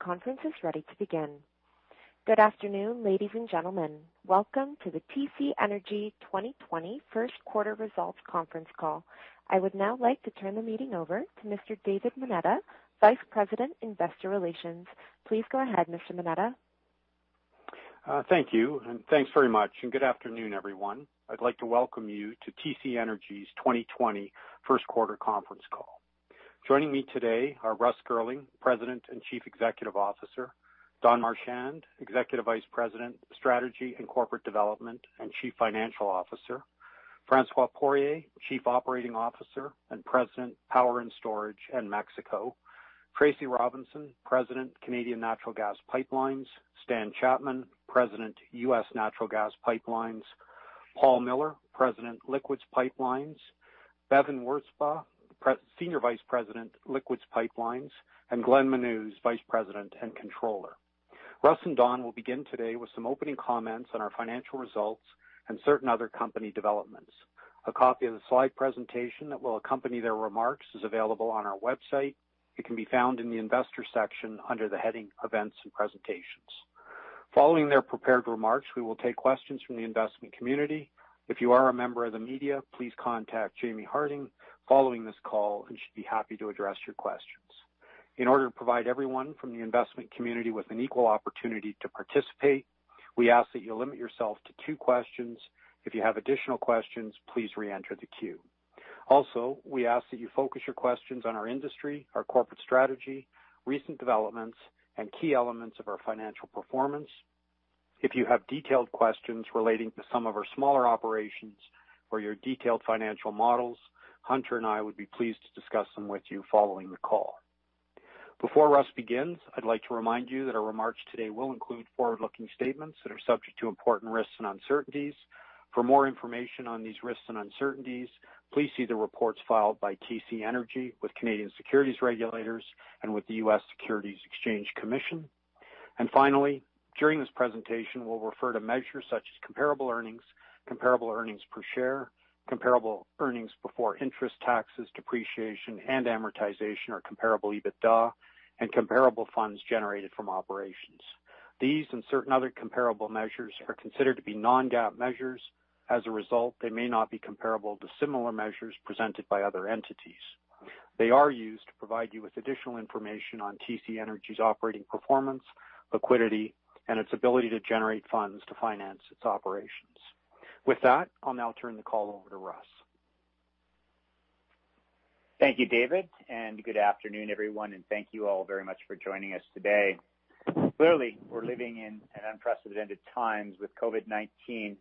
Conference is ready to begin. Good afternoon, ladies and gentlemen. Welcome to the TC Energy 2020 first quarter results conference call. I would now like to turn the meeting over to Mr. David Moneta, Vice President, Investor Relations. Please go ahead, Mr. Moneta. Thank you, thanks very much, good afternoon, everyone. I'd like to welcome you to TC Energy's 2020 first quarter conference call. Joining me today are Russ Girling, President and Chief Executive Officer, Don Marchand, Executive Vice President, Strategy and Corporate Development, and Chief Financial Officer, François Poirier, Chief Operating Officer and President, Power and Storage and Mexico, Tracy Robinson, President, Canadian Natural Gas Pipelines, Stan Chapman, President, U.S. Natural Gas Pipelines, Paul Miller, President, Liquids Pipelines, Bevin Wirzba, Senior Vice President, Liquids Pipelines, and Glenn Menuz, Vice President and Controller. Russ and Don will begin today with some opening comments on our financial results and certain other company developments. A copy of the slide presentation that will accompany their remarks is available on our website. It can be found in the Investor section under the heading Events and Presentations. Following their prepared remarks, we will take questions from the investment community. If you are a member of the media, please contact Jaimie Harding following this call and she'd be happy to address your questions. In order to provide everyone from the investment community with an equal opportunity to participate, we ask that you limit yourself to two questions. If you have additional questions, please re-enter the queue. We ask that you focus your questions on our industry, our corporate strategy, recent developments, and key elements of our financial performance. If you have detailed questions relating to some of our smaller operations or your detailed financial models, Hunter and I would be pleased to discuss them with you following the call. Before Russ begins, I'd like to remind you that our remarks today will include forward-looking statements that are subject to important risks and uncertainties. For more information on these risks and uncertainties, please see the reports filed by TC Energy with Canadian securities regulators and with the U.S. Securities and Exchange Commission. Finally, during this presentation, we'll refer to measures such as comparable earnings, comparable earnings per share, comparable earnings before interest, taxes, depreciation, and amortization or comparable EBITDA, and comparable funds generated from operations. These and certain other comparable measures are considered to be non-GAAP measures. As a result, they may not be comparable to similar measures presented by other entities. They are used to provide you with additional information on TC Energy's operating performance, liquidity, and its ability to generate funds to finance its operations. With that, I'll now turn the call over to Russ. Thank you, David, good afternoon, everyone, thank you all very much for joining us today. Clearly, we're living in unprecedented times with COVID-19,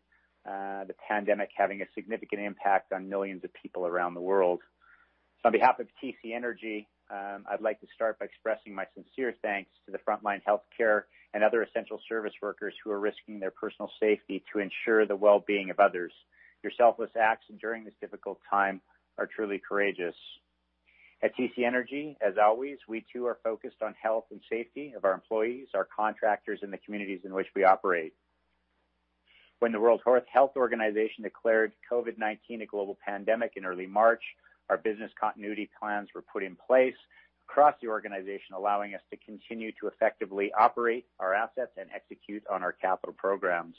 the pandemic having a significant impact on millions of people around the world. On behalf of TC Energy, I'd like to start by expressing my sincere thanks to the frontline healthcare and other essential service workers who are risking their personal safety to ensure the well-being of others. Your selfless acts during this difficult time are truly courageous. At TC Energy, as always, we too are focused on health and safety of our employees, our contractors in the communities in which we operate. When the World Health Organization declared COVID-19 a global pandemic in early March, our business continuity plans were put in place across the organization, allowing us to continue to effectively operate our assets and execute on our capital programs.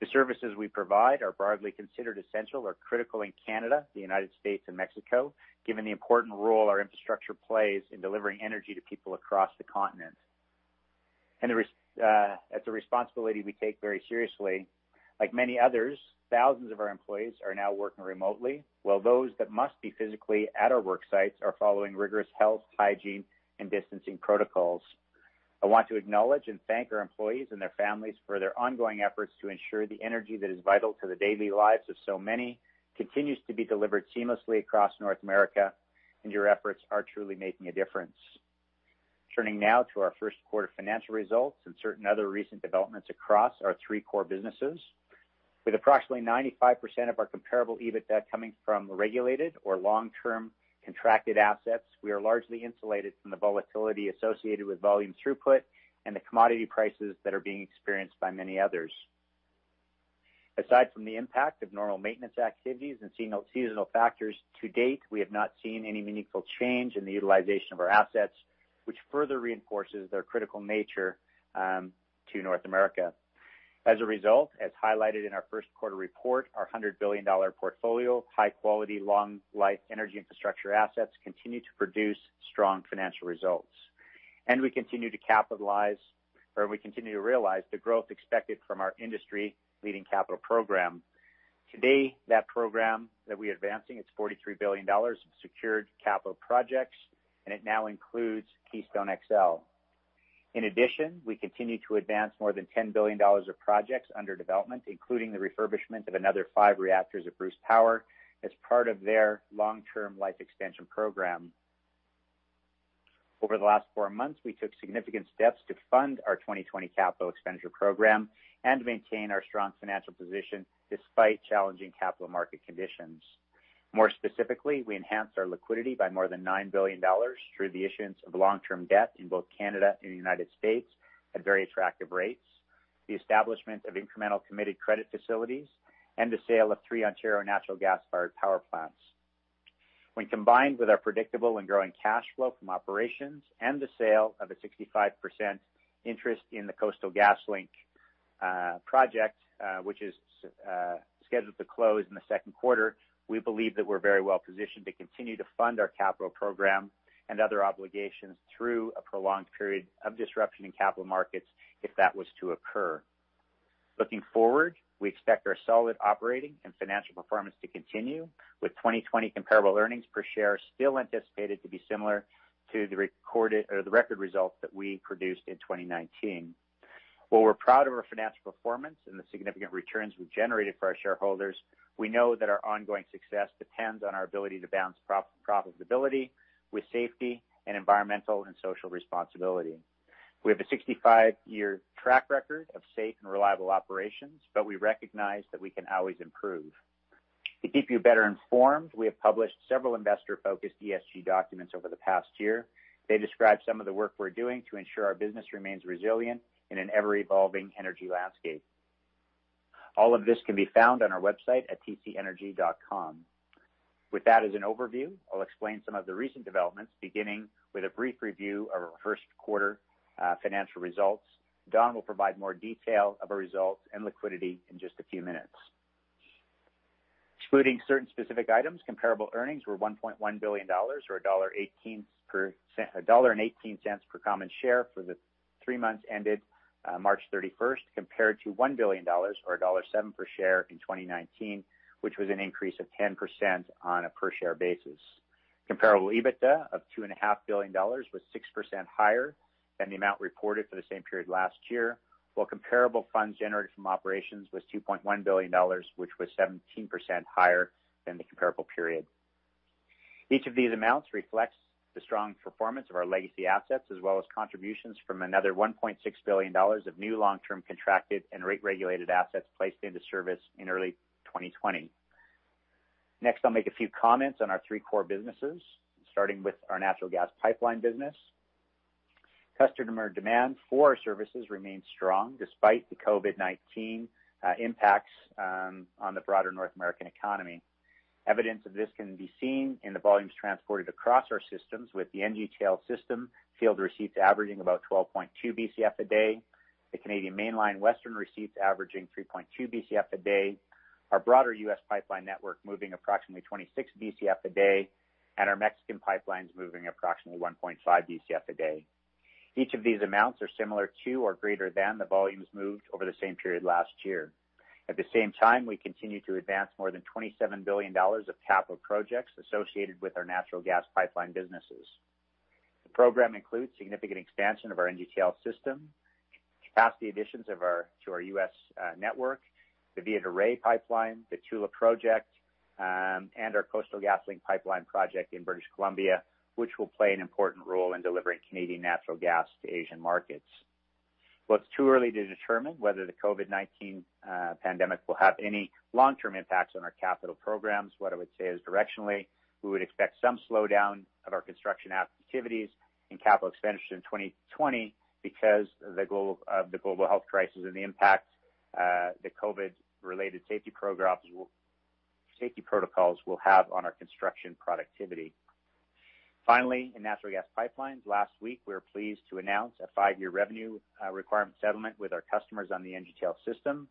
The services we provide are broadly considered essential or critical in Canada, the U.S., and Mexico, given the important role our infrastructure plays in delivering energy to people across the continent. That's a responsibility we take very seriously. Like many others, thousands of our employees are now working remotely, while those that must be physically at our work sites are following rigorous health, hygiene, and distancing protocols. I want to acknowledge and thank our employees and their families for their ongoing efforts to ensure the energy that is vital to the daily lives of so many continues to be delivered seamlessly across North America. Your efforts are truly making a difference. Turning now to our first quarter financial results and certain other recent developments across our three core businesses. With approximately 95% of our comparable EBITDA coming from regulated or long-term contracted assets, we are largely insulated from the volatility associated with volume throughput and the commodity prices that are being experienced by many others. Aside from the impact of normal maintenance activities and seasonal factors to date, we have not seen any meaningful change in the utilization of our assets, which further reinforces their critical nature to North America. As a result, as highlighted in our first quarter report, our 100 billion dollar portfolio of high-quality, long-life energy infrastructure assets continue to produce strong financial results. We continue to realize the growth expected from our industry-leading capital program. Today, that program that we're advancing, it's 43 billion dollars of secured capital projects, and it now includes Keystone XL. In addition, we continue to advance more than 10 billion dollars of projects under development, including the refurbishment of another five reactors at Bruce Power as part of their long-term life extension program. Over the last four months, we took significant steps to fund our 2020 capital expenditure program and maintain our strong financial position despite challenging capital market conditions. More specifically, we enhanced our liquidity by more than 9 billion dollars through the issuance of long-term debt in both Canada and the U.S. at very attractive rates, the establishment of incremental committed credit facilities, and the sale of three Ontario natural gas-fired power plants. When combined with our predictable and growing cash flow from operations and the sale of a 65% interest in the Coastal GasLink project, which is scheduled to close in the second quarter, we believe that we're very well-positioned to continue to fund our capital program and other obligations through a prolonged period of disruption in capital markets, if that was to occur. Looking forward, we expect our solid operating and financial performance to continue with 2020 comparable earnings per share still anticipated to be similar to the record results that we produced in 2019. While we're proud of our financial performance and the significant returns we've generated for our shareholders, we know that our ongoing success depends on our ability to balance profitability with safety and environmental and social responsibility. We have a 65-year track record of safe and reliable operations, but we recognize that we can always improve. To keep you better informed, we have published several investor-focused ESG documents over the past year. They describe some of the work we're doing to ensure our business remains resilient in an ever-evolving energy landscape. All of this can be found on our website at tcenergy.com. With that as an overview, I'll explain some of the recent developments, beginning with a brief review of our first quarter financial results. Don will provide more detail of our results and liquidity in just a few minutes. Excluding certain specific items, comparable earnings were 1.1 billion dollars, or 1.18 dollar per common share for the three months ended March 31st, compared to 1 billion dollars or dollar 1.07 per share in 2019, which was an increase of 10% on a per-share basis. Comparable EBITDA of 2.5 billion dollars was 6% higher than the amount reported for the same period last year, while comparable funds generated from operations was 2.1 billion dollars, which was 17% higher than the comparable period. Each of these amounts reflects the strong performance of our legacy assets as well as contributions from another 1.6 billion dollars of new long-term contracted and rate-regulated assets placed into service in early 2020. Next, I'll make a few comments on our three core businesses, starting with our natural gas pipeline business. Customer demand for our services remains strong despite the COVID-19 impacts on the broader North American economy. Evidence of this can be seen in the volumes transported across our systems with the NGTL System field receipts averaging about 12.2 Bcf/d, the Canadian Mainline Western receipts averaging 3.2 Bcf/d, our broader U.S. pipeline network moving approximately 26 Bcf/d, and our Mexican pipelines moving approximately 1.5 Bcf/d. Each of these amounts are similar to or greater than the volumes moved over the same period last year. At the same time, we continue to advance more than 27 billion dollars of capital projects associated with our natural gas pipeline businesses. The program includes significant expansion of our NGTL System, capacity additions to our U.S. network, the Villa de Reyes pipeline, the Tula project, and our Coastal GasLink pipeline project in British Columbia, which will play an important role in delivering Canadian natural gas to Asian markets. While it's too early to determine whether the COVID-19 pandemic will have any long-term impacts on our capital programs, what I would say is directionally, we would expect some slowdown of our construction activities and capital expenditures in 2020 because of the global health crisis and the impact the COVID-related safety protocols will have on our construction productivity. Finally, in natural gas pipelines, last week, we were pleased to announce a five-year revenue requirement settlement with our customers on the NGTL System.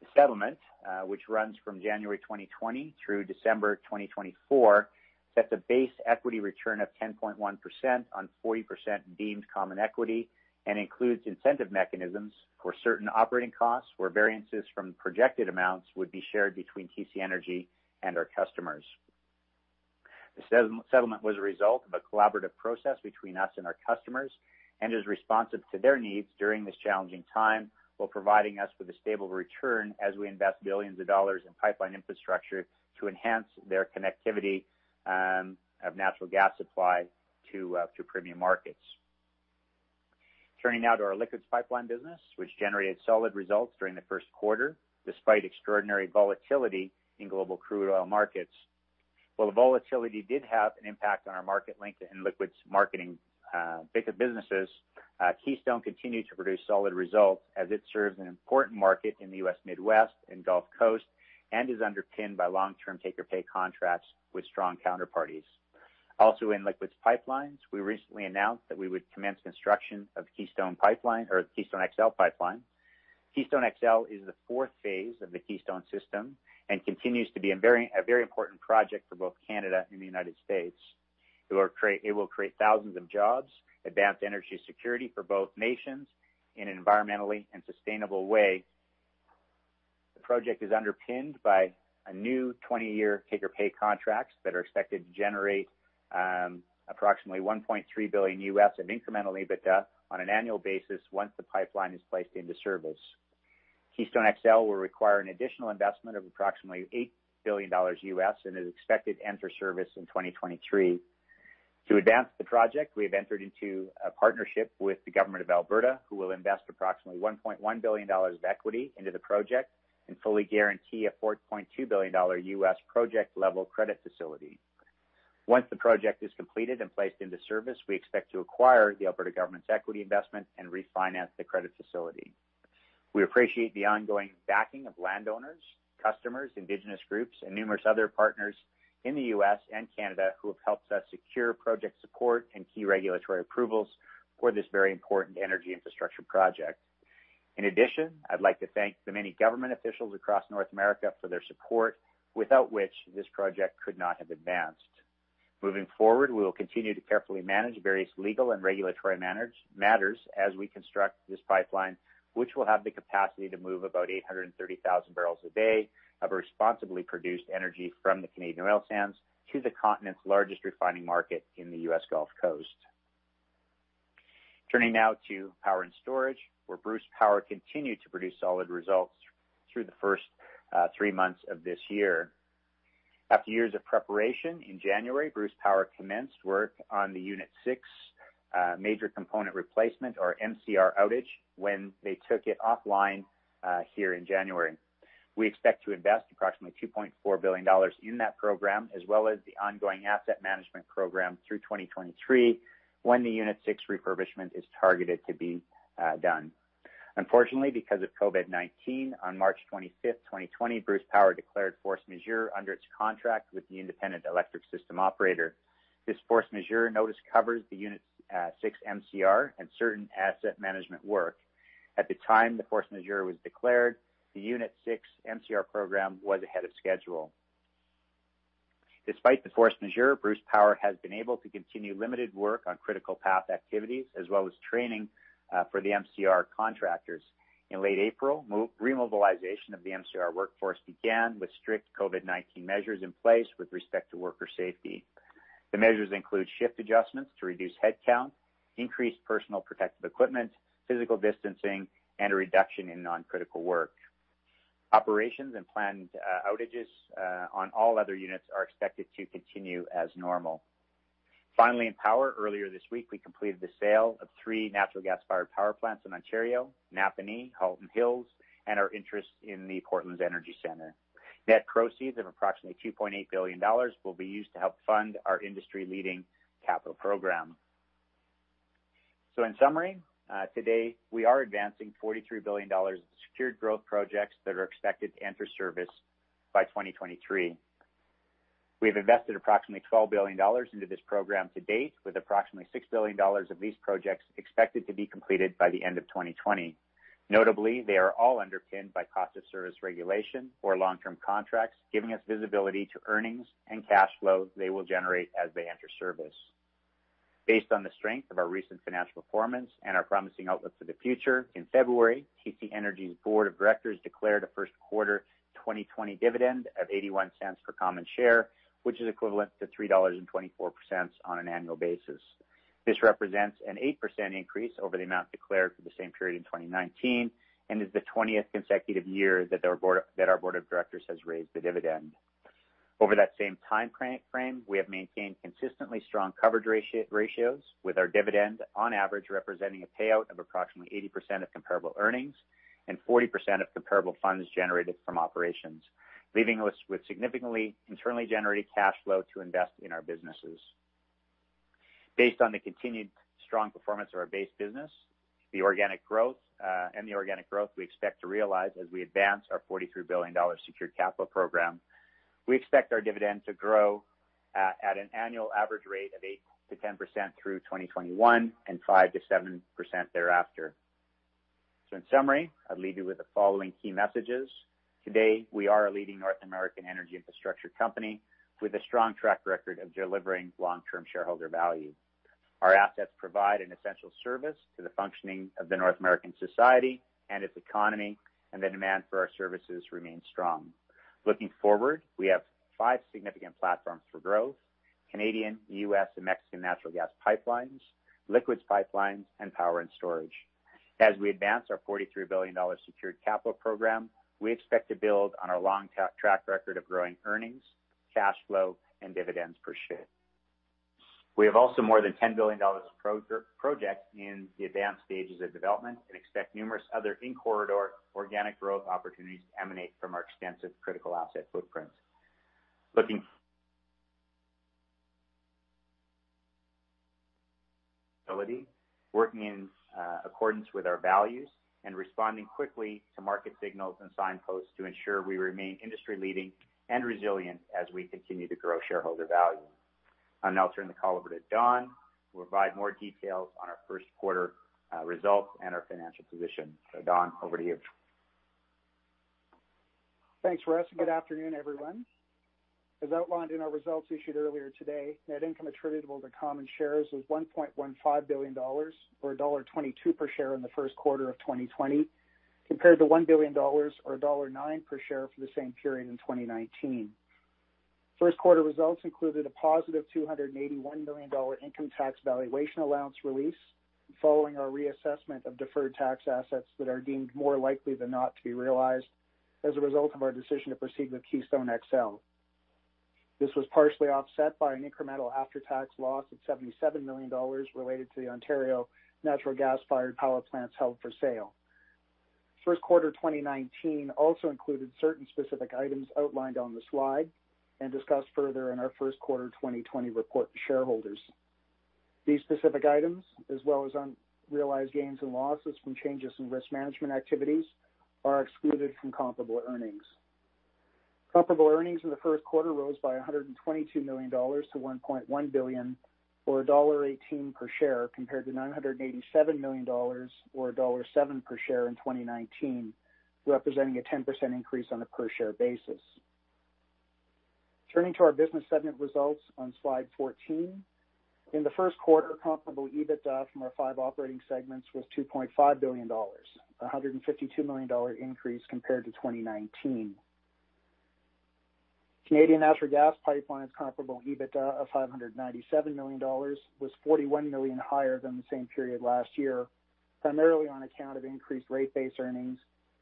The settlement, which runs from January 2020 through December 2024, sets a base equity return of 10.1% on 40% deemed common equity and includes incentive mechanisms for certain operating costs where variances from projected amounts would be shared between TC Energy and our customers. The settlement was a result of a collaborative process between us and our customers and is responsive to their needs during this challenging time while providing us with a stable return as we invest billions of dollars in pipeline infrastructure to enhance their connectivity of natural gas supply to premium markets. Turning now to our liquids pipeline business, which generated solid results during the first quarter, despite extraordinary volatility in global crude oil markets. While the volatility did have an impact on our Marketlink and liquids marketing businesses, Keystone continued to produce solid results as it serves an important market in the U.S. Midwest and Gulf Coast and is underpinned by long-term take-or-pay contracts with strong counterparties. Also, in liquids pipelines, we recently announced that we would commence construction of the Keystone XL pipeline. Keystone XL is the fourth phase of the Keystone system and continues to be a very important project for both Canada and the U.S. It will create thousands of jobs, advance energy security for both nations in an environmentally and sustainable way. The project is underpinned by a new 20-year take-or-pay contracts that are expected to generate approximately $1.3 billion. of incremental EBITDA on an annual basis once the pipeline is placed into service. Keystone XL will require an additional investment of approximately $8 billion. and is expected to enter service in 2023. To advance the project, we have entered into a partnership with the government of Alberta, who will invest approximately 1.1 billion dollars of equity into the project and fully guarantee a $4.2 billion. project-level credit facility. Once the project is completed and placed into service, we expect to acquire the Alberta government's equity investment and refinance the credit facility. We appreciate the ongoing backing of landowners, customers, indigenous groups, and numerous other partners in the U.S. and Canada who have helped us secure project support and key regulatory approvals for this very important energy infrastructure project. I'd like to thank the many government officials across North America for their support, without which this project could not have advanced. We will continue to carefully manage various legal and regulatory matters as we construct this pipeline, which will have the capacity to move about 830,000 barrels a day of responsibly produced energy from the Canadian oil sands to the continent's largest refining market in the U.S. Gulf Coast. Turning now to Power and Storage, where Bruce Power continued to produce solid results through the first three months of this year. After years of preparation, in January, Bruce Power commenced work on the Unit 6 major component replacement or MCR outage when they took it offline here in January. We expect to invest approximately 2.4 billion dollars in that program, as well as the ongoing asset management program through 2023, when the Unit 6 refurbishment is targeted to be done. Unfortunately, because of COVID-19, on March 25th, 2020, Bruce Power declared force majeure under its contract with the Independent Electricity System Operator. This force majeure notice covers the Unit 6 MCR and certain asset management work. At the time the force majeure was declared, the Unit 6 MCR program was ahead of schedule. Despite the force majeure, Bruce Power has been able to continue limited work on critical path activities, as well as training for the MCR contractors. In late April, remobilization of the MCR workforce began with strict COVID-19 measures in place with respect to worker safety. The measures include shift adjustments to reduce headcount, increased personal protective equipment, physical distancing, and a reduction in non-critical work. Operations and planned outages on all other units are expected to continue as normal. In power, earlier this week, we completed the sale of three natural gas-fired power plants in Ontario, Napanee, Halton Hills, and our interest in the Portlands Energy Centre. Net proceeds of approximately 2.8 billion dollars will be used to help fund our industry-leading capital program. In summary, today, we are advancing 43 billion dollars of secured growth projects that are expected to enter service by 2023. We have invested approximately 12 billion dollars into this program to date, with approximately 6 billion dollars of these projects expected to be completed by the end of 2020. Notably, they are all underpinned by cost of service regulation or long-term contracts, giving us visibility to earnings and cash flow they will generate as they enter service. Based on the strength of our recent financial performance and our promising outlook for the future, in February, TC Energy's board of directors declared a first quarter 2020 dividend of 0.81 per common share, which is equivalent to 3.24 dollars on an annual basis. This represents an 8% increase over the amount declared for the same period in 2019 and is the 20th consecutive year that our board of directors has raised the dividend. Over that same time frame, we have maintained consistently strong coverage ratios with our dividend on average representing a payout of approximately 80% of comparable earnings and 40% of comparable funds generated from operations, leaving us with significantly internally generated cash flow to invest in our businesses. Based on the continued strong performance of our base business and the organic growth we expect to realize as we advance our 43 billion dollars secured capital program, we expect our dividend to grow at an annual average rate of 8%-10% through 2021 and 5%-7% thereafter. In summary, I'll leave you with the following key messages. Today, we are a leading North American energy infrastructure company with a strong track record of delivering long-term shareholder value. Our assets provide an essential service to the functioning of the North American society and its economy. The demand for our services remains strong. Looking forward, we have five significant platforms for growth, Canadian, U.S., and Mexican Natural Gas Pipelines, Liquids Pipelines, and Power and Storage. As we advance our 43 billion dollars secured capital program, we expect to build on our long track record of growing earnings, cash flow, and dividends per share. We have also more than 10 billion dollars of projects in the advanced stages of development and expect numerous other in-corridor organic growth opportunities to emanate from our extensive critical asset footprints. Ability, working in accordance with our values, and responding quickly to market signals and signposts to ensure we remain industry-leading and resilient as we continue to grow shareholder value. I'll now turn the call over to Don, who will provide more details on our first quarter results and our financial position. Don, over to you. Thanks, Russ. Good afternoon, everyone. As outlined in our results issued earlier today, net income attributable to common shares was 1.15 billion dollars, or dollar 1.22 per share in the first quarter of 2020, compared to 1 billion dollars or dollar 1.09 per share for the same period in 2019. First quarter results included a positive 281 million dollar income tax valuation allowance release following our reassessment of deferred tax assets that are deemed more likely than not to be realized as a result of our decision to proceed with Keystone XL. This was partially offset by an incremental after-tax loss of 77 million dollars related to the Ontario natural gas-fired power plants held for sale. First quarter 2019 also included certain specific items outlined on the slide and discussed further in our first quarter 2020 report to shareholders. These specific items, as well as unrealized gains and losses from changes in risk management activities, are excluded from comparable earnings. Comparable earnings in the first quarter rose by 122 million dollars to 1.1 billion or dollar 1.18 per share, compared to 987 million dollars or dollar 1.07 per share in 2019, representing a 10% increase on a per share basis. Turning to our business segment results on slide 14. In the first quarter, comparable EBITDA from our five operating segments was 2.5 billion dollars, a 152 million dollar increase compared to 2019. Canadian Natural Gas Pipelines comparable EBITDA of 597 million dollars was 41 million higher than the same period last year, primarily on account of increased rate-based earnings,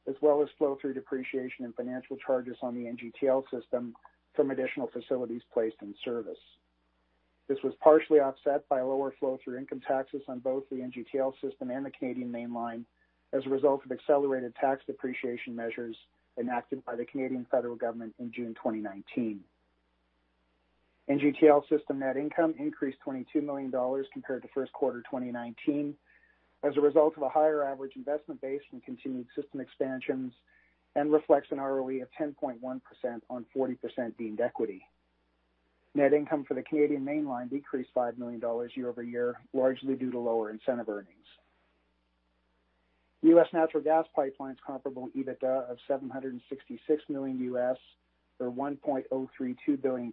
as well as flow-through depreciation and financial charges on the NGTL System from additional facilities placed in service. This was partially offset by lower flow-through income taxes on both the NGTL System and the Canadian Mainline as a result of accelerated tax depreciation measures enacted by the Canadian federal government in June 2019. NGTL System net income increased 22 million dollars compared to first quarter 2019 as a result of a higher average investment base from continued system expansions and reflects an ROE of 10.1% on 40% deemed equity. Net income for the Canadian Mainline decreased 5 million dollars year-over-year, largely due to lower incentive earnings. U.S. Natural Gas Pipelines comparable EBITDA of $766 million, or 1.032 billion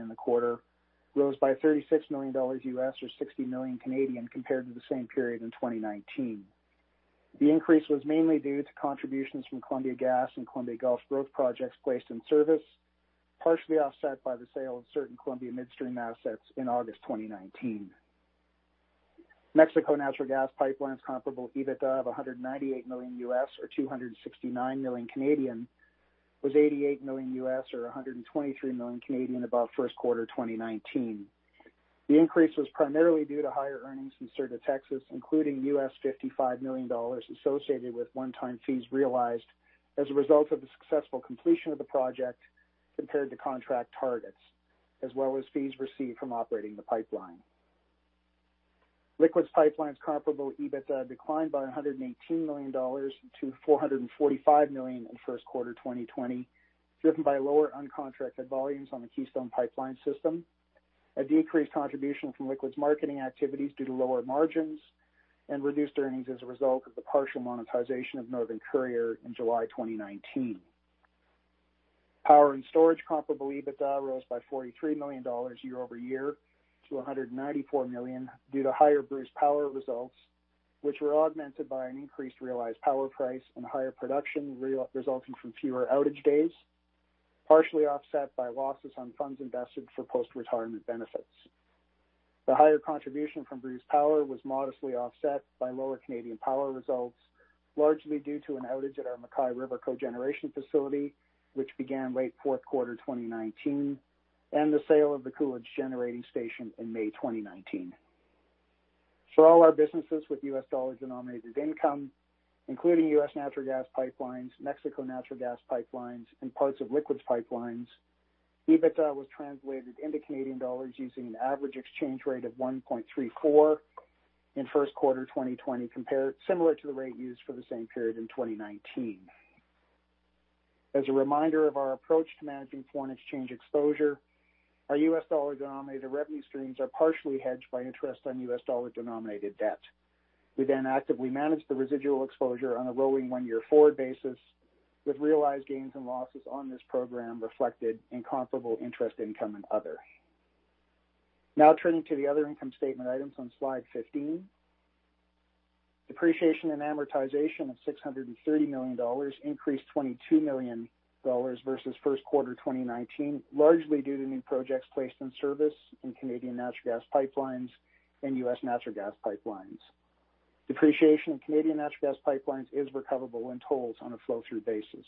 in the quarter rose by $36 million or 60 million compared to the same period in 2019. The increase was mainly due to contributions from Columbia Gas and Columbia Gulf growth projects placed in service, partially offset by the sale of certain Columbia Midstream assets in August 2019. Mexico Natural Gas Pipelines comparable EBITDA of $198 million, or 269 million, was $88 million, or 123 million above first quarter 2019. The increase was primarily due to higher earnings from Sur de Texas, including $55 million associated with one-time fees realized as a result of the successful completion of the project compared to contract targets, as well as fees received from operating the pipeline. Liquids Pipelines comparable EBITDA declined by 118 million dollars to 445 million in first quarter 2020, driven by lower uncontracted volumes on the Keystone Pipeline System, a decreased contribution from liquids marketing activities due to lower margins, and reduced earnings as a result of the partial monetization of Northern Courier in July 2019. Power and Storage comparable EBITDA rose by 43 million dollars year-over-year to 194 million due to higher Bruce Power results, which were augmented by an increased realized power price and higher production resulting from fewer outage days, partially offset by losses on funds invested for post-retirement benefits. The higher contribution from Bruce Power was modestly offset by lower Canadian Power results, largely due to an outage at our MacKay River cogeneration facility, which began late fourth quarter 2019, and the sale of the Coolidge Generating Station in May 2019. For all our businesses with U.S. dollar-denominated income, including U.S. Natural Gas Pipelines, Mexico Natural Gas Pipelines, and parts of Liquids Pipelines, EBITDA was translated into Canadian dollars using an average exchange rate of 1.34 in first quarter 2020, similar to the rate used for the same period in 2019. As a reminder of our approach to managing foreign exchange exposure, our U.S. dollar-denominated revenue streams are partially hedged by interest on U.S. dollar-denominated debt. We actively manage the residual exposure on a rolling one-year forward basis, with realized gains and losses on this program reflected in comparable interest income and other. Turning to the other income statement items on slide 15. Depreciation and amortization of 630 million dollars increased 22 million dollars versus first quarter 2019, largely due to new projects placed in service in Canadian Natural Gas Pipelines and U.S. Natural Gas Pipelines. Depreciation of Canadian Natural Gas Pipelines is recoverable in tolls on a flow-through basis.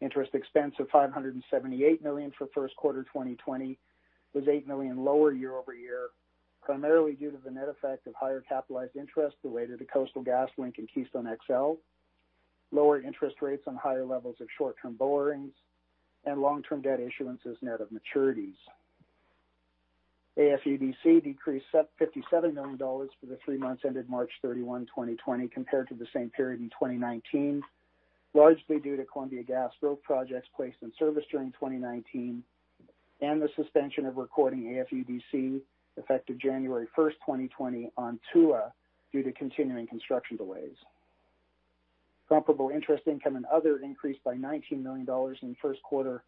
Interest expense of 578 million for first quarter 2020 was 8 million lower year-over-year, primarily due to the net effect of higher capitalized interest related to Coastal GasLink and Keystone XL, lower interest rates on higher levels of short-term borrowings, and long-term debt issuances net of maturities. AFUDC decreased 57 million dollars for the three months ended March 31, 2020, compared to the same period in 2019, largely due to Columbia Gas growth projects placed in service during 2019 and the suspension of recording AFUDC effective January 1, 2020 on Tula due to continuing construction delays. Comparable interest income and other increased by 19 million dollars in the first quarter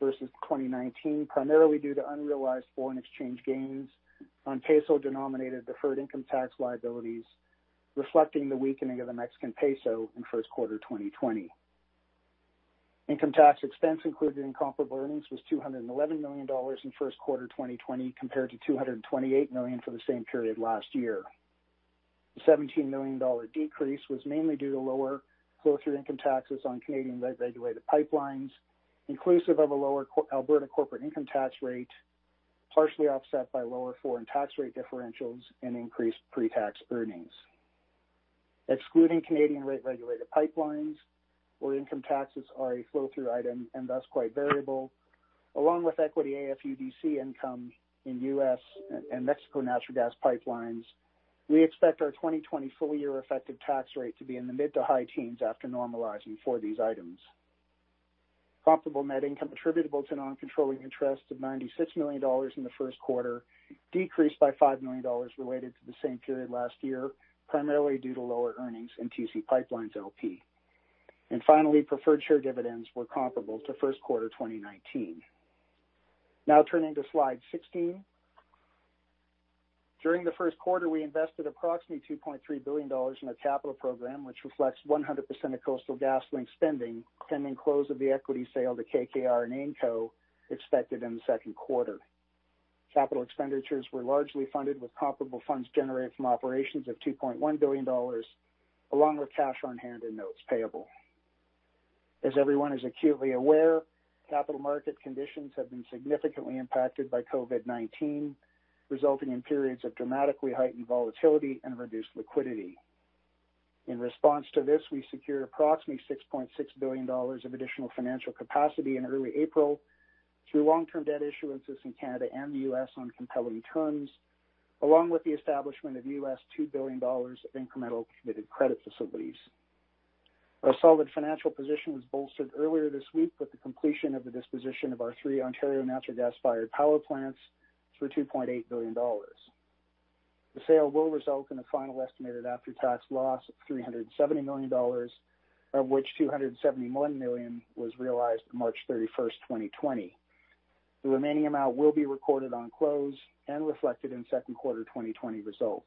versus 2019, primarily due to unrealized foreign exchange gains on peso-denominated deferred income tax liabilities, reflecting the weakening of the Mexican peso in first quarter 2020. Income tax expense included in comparable earnings was 211 million dollars in first quarter 2020, compared to 228 million for the same period last year. The 17 million dollar decrease was mainly due to lower flow-through income taxes on Canadian regulated pipelines, inclusive of a lower Alberta corporate income tax rate, partially offset by lower foreign tax rate differentials and increased pre-tax earnings. Excluding Canadian rate regulated pipelines, where income taxes are a flow-through item and thus quite variable, along with equity AFUDC income in U.S. and Mexico natural gas pipelines, we expect our 2020 full-year effective tax rate to be in the mid to high teens after normalizing for these items. Comparable net income attributable to non-controlling interests of 96 million dollars in the first quarter decreased by 5 million dollars related to the same period last year, primarily due to lower earnings in TC PipeLines, LP. Finally, preferred share dividends were comparable to first quarter 2019. Turning to slide 16. During the first quarter, we invested approximately 2.3 billion dollars in our capital program, which reflects 100% of Coastal GasLink spending pending close of the equity sale to KKR and AIMCo expected in the second quarter. Capital expenditures were largely funded with comparable funds generated from operations of 2.1 billion dollars, along with cash on hand and notes payable. As everyone is acutely aware, capital market conditions have been significantly impacted by COVID-19, resulting in periods of dramatically heightened volatility and reduced liquidity. In response to this, we secured approximately 6.6 billion dollars of additional financial capacity in early April through long-term debt issuances in Canada and the US on compelling terms, along with the establishment of $2 billion of incremental committed credit facilities. Our solid financial position was bolstered earlier this week with the completion of the disposition of our three Ontario natural gas-fired power plants for 2.8 billion dollars. The sale will result in a final estimated after-tax loss of 370 million dollars, of which 271 million was realized March 31st, 2020. The remaining amount will be recorded on close and reflected in second quarter 2020 results.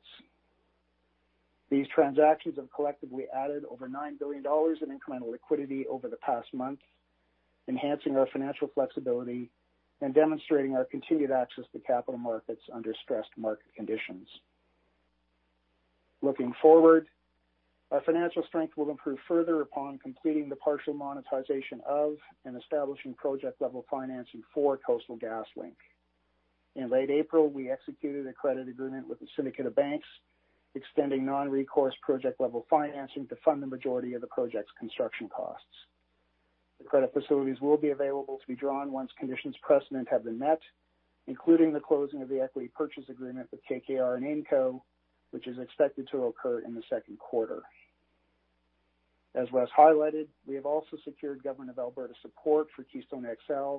These transactions have collectively added over 9 billion dollars in incremental liquidity over the past month, enhancing our financial flexibility and demonstrating our continued access to capital markets under stressed market conditions. Looking forward, our financial strength will improve further upon completing the partial monetization of and establishing project-level financing for Coastal GasLink. In late April, we executed a credit agreement with a syndicate of banks extending non-recourse project-level financing to fund the majority of the project's construction costs. The credit facilities will be available to be drawn once conditions precedent have been met, including the closing of the equity purchase agreement with KKR and AIMCo, which is expected to occur in the second quarter. As was highlighted, we have also secured Government of Alberta support for Keystone XL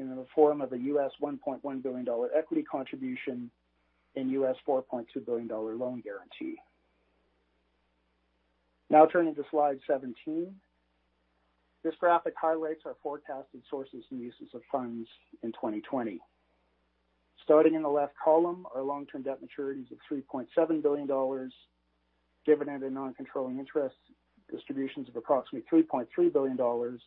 in the form of a $1.1 billion equity contribution and $4.2 billion loan guarantee. Turning to slide 17. This graphic highlights our forecasted sources and uses of funds in 2020. Starting in the left column, our long-term debt maturities of 3.7 billion dollars, dividend and non-controlling interest distributions of approximately 3.3 billion dollars,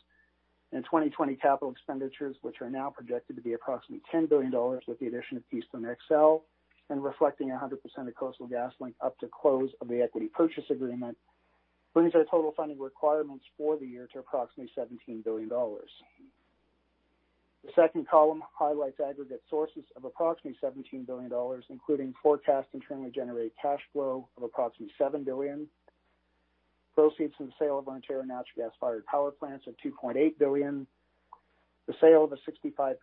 and 2020 capital expenditures, which are now projected to be approximately 10 billion dollars with the addition of Keystone XL and reflecting 100% of Coastal GasLink up to close of the equity purchase agreement, brings our total funding requirements for the year to approximately 17 billion dollars. The second column highlights aggregate sources of approximately 17 billion dollars, including forecast internally generated cash flow of approximately 7 billion, proceeds from the sale of Ontario natural gas-fired power plants of 2.8 billion, the sale of a 65%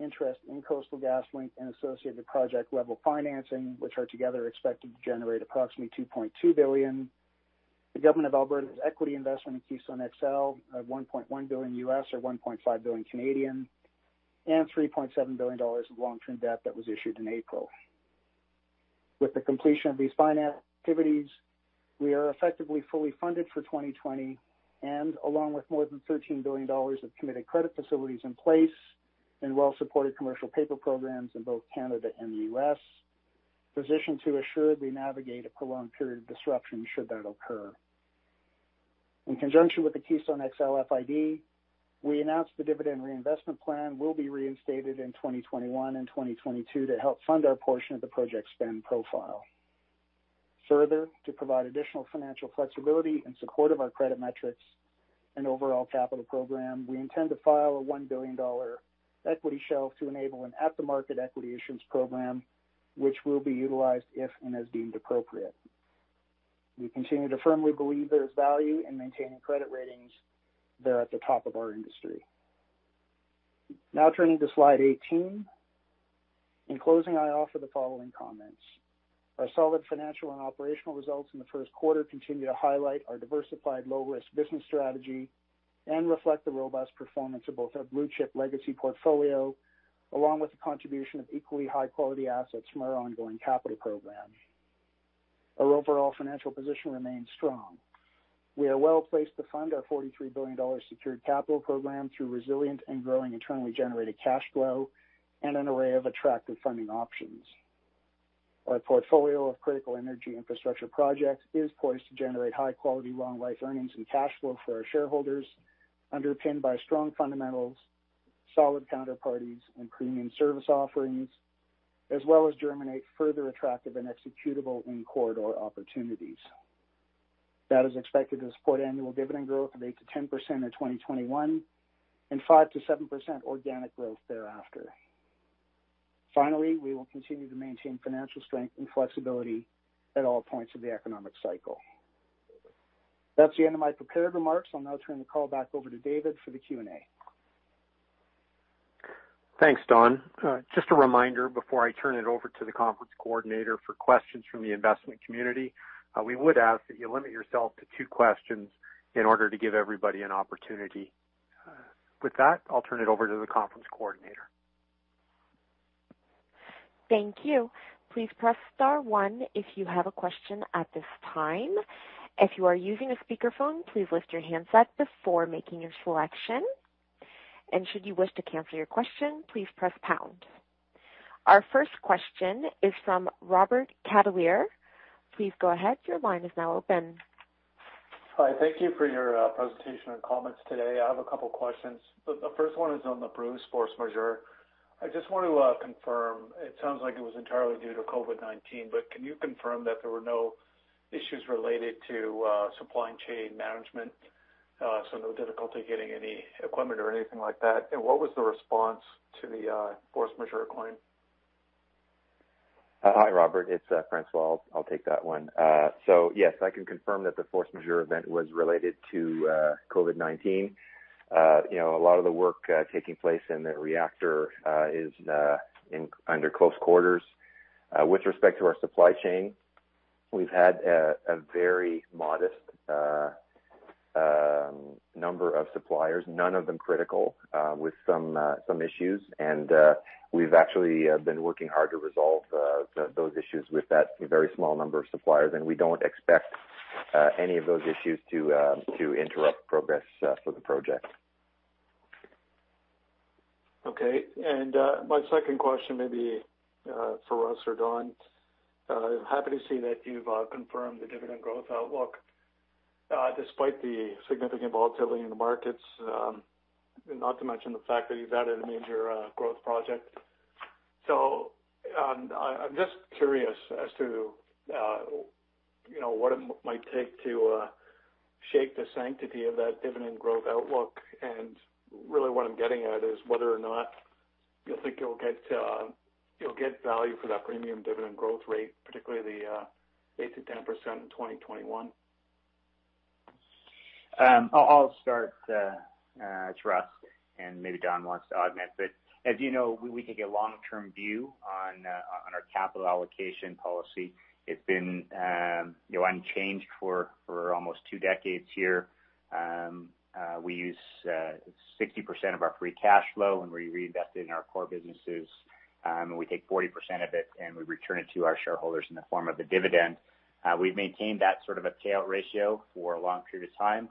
interest in Coastal GasLink and associated project-level financing, which are together expected to generate approximately 2.2 billion, the Government of Alberta's equity investment in Keystone XL of $1.1 billion or 1.5 billion Canadian dollars, and 3.7 billion dollars of long-term debt that was issued in April. With the completion of these finance activities, we are effectively fully funded for 2020 and, along with more than 13 billion dollars of committed credit facilities in place and well-supported commercial paper programs in both Canada and the U.S., positioned to assuredly navigate a prolonged period of disruption should that occur. In conjunction with the Keystone XL FID, we announced the dividend reinvestment plan will be reinstated in 2021 and 2022 to help fund our portion of the project's spend profile. To provide additional financial flexibility in support of our credit metrics and overall capital program, we intend to file a 1 billion dollar equity shelf to enable an at-the-market equity issuance program, which will be utilized if and as deemed appropriate. We continue to firmly believe there is value in maintaining credit ratings that are at the top of our industry. Turning to slide 18. In closing, I offer the following comments. Our solid financial and operational results in the first quarter continue to highlight our diversified low-risk business strategy and reflect the robust performance of both our blue-chip legacy portfolio, along with the contribution of equally high-quality assets from our ongoing capital program. Our overall financial position remains strong. We are well-placed to fund our 43 billion dollars secured capital program through resilient and growing internally generated cash flow and an array of attractive funding options. Our portfolio of critical energy infrastructure projects is poised to generate high-quality, long-life earnings and cash flow for our shareholders, underpinned by strong fundamentals, solid counterparties, and premium service offerings, as well as germinate further attractive and executable in-corridor opportunities. That is expected to support annual dividend growth of 8%-10% in 2021 and 5%-7% organic growth thereafter. Finally, we will continue to maintain financial strength and flexibility at all points of the economic cycle. That's the end of my prepared remarks. I'll now turn the call back over to David for the Q&A. Thanks, Don. Just a reminder before I turn it over to the conference coordinator for questions from the investment community. We would ask that you limit yourself to two questions in order to give everybody an opportunity. With that, I'll turn it over to the conference coordinator. Thank you. Please press star one if you have a question at this time. If you are using a speakerphone, please lift your handset before making your selection. Should you wish to cancel your question, please press pound. Our first question is from Robert Catellier. Please go ahead, your line is now open. Hi. Thank you for your presentation and comments today. I have a couple questions. The first one is on the Bruce force majeure. I just want to confirm, it sounds like it was entirely due to COVID-19, but can you confirm that there were no issues related to supply chain management? No difficulty getting any equipment or anything like that. What was the response to the force majeure claim? Hi, Robert. It's François. I'll take that one. Yes, I can confirm that the force majeure event was related to COVID-19. A lot of the work taking place in the reactor is under close quarters. With respect to our supply chain, we've had a very modest number of suppliers, none of them critical, with some issues. We've actually been working hard to resolve those issues with that very small number of suppliers. We don't expect any of those issues to interrupt progress for the project. Okay. My second question may be for Russ or Don. Happy to see that you've confirmed the dividend growth outlook, despite the significant volatility in the markets, not to mention the fact that you've added a major growth project. I'm just curious as to what it might take to shake the sanctity of that dividend growth outlook. And really what I'm getting at is whether or not you think you'll get value for that premium dividend growth rate, particularly the 8%-10% in 2021? I'll start. It's Russ, and maybe Don wants to augment. As you know, we take a long-term view on our capital allocation policy. It's been unchanged for almost two decades here. We use 60% of our free cash flow, and we reinvest it in our core businesses. We take 40% of it, and we return it to our shareholders in the form of a dividend. We've maintained that sort of a payout ratio for a long period of time.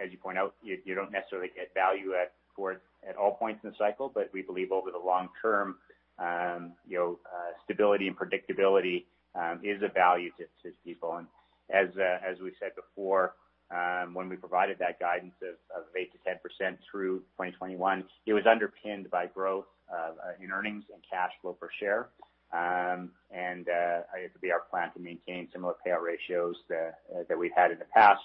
As you point out, you don't necessarily get value for it at all points in the cycle. We believe over the long term, stability and predictability is a value to people. As we said before, when we provided that guidance of 8%-10% through 2021, it was underpinned by growth in earnings and cash flow per share. It would be our plan to maintain similar payout ratios that we've had in the past,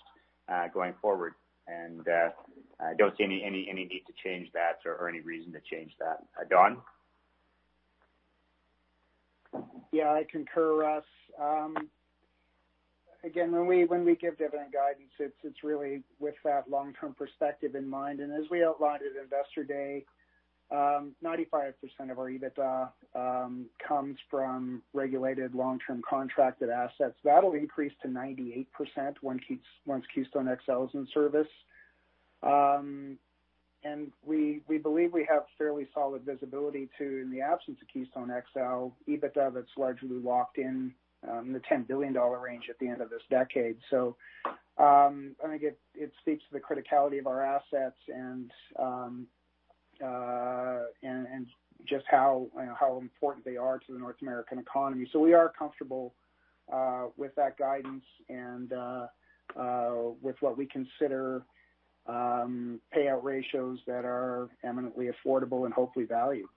going forward. I don't see any need to change that or any reason to change that. Don? Yeah. I concur, Russ. Again, when we give dividend guidance, it is really with that long-term perspective in mind. As we outlined at Investor Day, 95% of our EBITDA comes from regulated long-term contracted assets. That will increase to 98% once Keystone XL is in service. We believe we have fairly solid visibility to, in the absence of Keystone XL, EBITDA that is largely locked in the 10 billion dollar range at the end of this decade. I think it speaks to the criticality of our assets and just how important they are to the North American economy. We are comfortable with that guidance and with what we consider payout ratios that are eminently affordable and hopefully valued.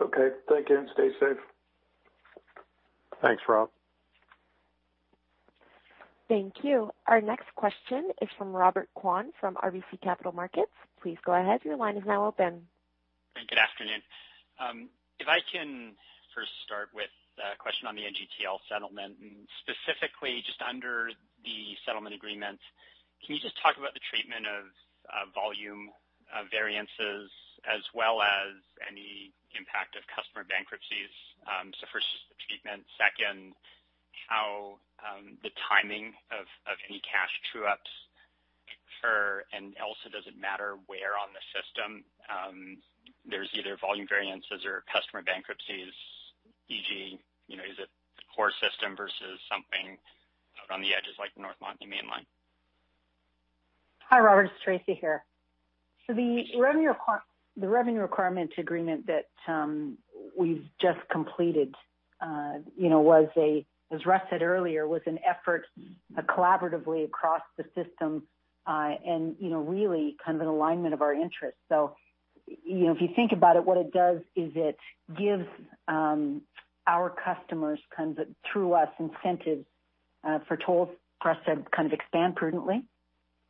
Okay. Thank you, and stay safe. Thanks, Rob. Thank you. Our next question is from Robert Kwan from RBC Capital Markets. Please go ahead, your line is now open. Good afternoon. If I can first start with a question on the NGTL settlement, specifically just under the settlement agreement, can you just talk about the treatment of volume variances as well as any impact of customer bankruptcies? First, just the treatment. Second, how the timing of any cash true-ups occur, also, does it matter where on the system there's either volume variances or customer bankruptcies, e.g., is it core system versus something out on the edges like North Montney Mainline? Hi, Robert. It's Tracy here. The revenue requirement agreement that we've just completed, as Russ said earlier, was an effort collaboratively across the system, and really an alignment of our interests. If you think about it, what it does is it gives our customers, through us, incentives for tolls, for us to kind of expand prudently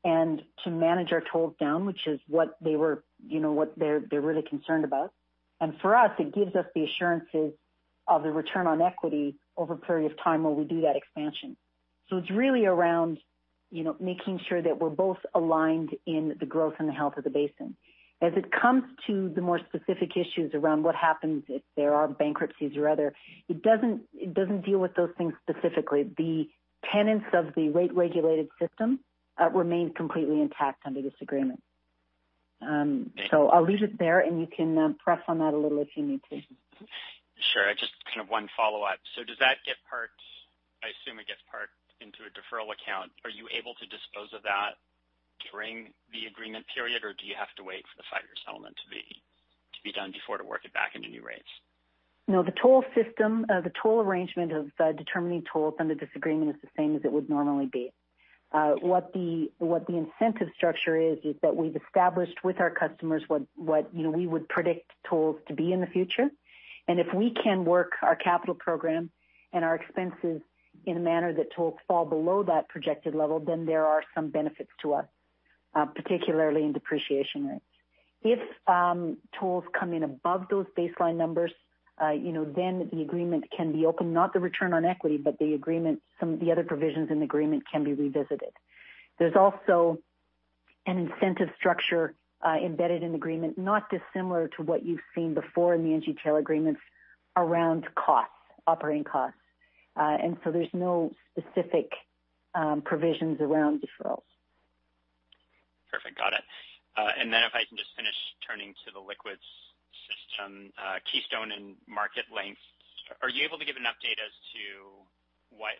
and to manage our tolls down, which is what they're really concerned about. For us, it gives us the assurances of a return on equity over a period of time where we do that expansion. It's really around making sure that we're both aligned in the growth and the health of the basin. As it comes to the more specific issues around what happens if there are bankruptcies or other, it doesn't deal with those things specifically. The tenets of the rate-regulated system remain completely intact under this agreement. I'll leave it there, and you can press on that a little if you need to. Sure. Just one follow-up. I assume it gets parked into a deferral account. Are you able to dispose of that during the agreement period, or do you have to wait for the five-year settlement to be done before to work it back into new rates? No, the toll arrangement of determining tolls under this agreement is the same as it would normally be. What the incentive structure is that we've established with our customers what we would predict tolls to be in the future, and if we can work our capital program and our expenses in a manner that tolls fall below that projected level, then there are some benefits to us, particularly in depreciation rates. If tolls come in above those baseline numbers, then the agreement can be open, not the return on equity, but the agreement, some of the other provisions in the agreement can be revisited. There's also an incentive structure embedded in the agreement, not dissimilar to what you've seen before in the NGTL agreements around costs, operating costs. There's no specific provisions around deferrals. Perfect. Got it. Then if I can just finish turning to the liquids system, Keystone and Marketlink, are you able to give an update as to what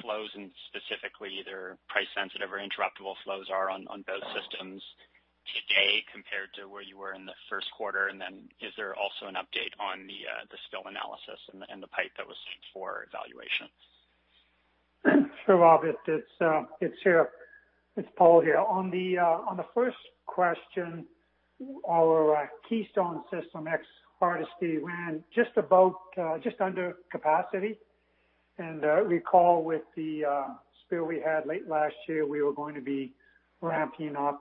flows and specifically either price sensitive or interruptible flows are on both systems today compared to where you were in the first quarter? Then is there also an update on the spill analysis and the pipe that was for evaluation? Sure, Robert, it's Paul here. On the first question, our Keystone system ex Hardisty ran just under capacity. Recall with the spill we had late last year, we were going to be ramping up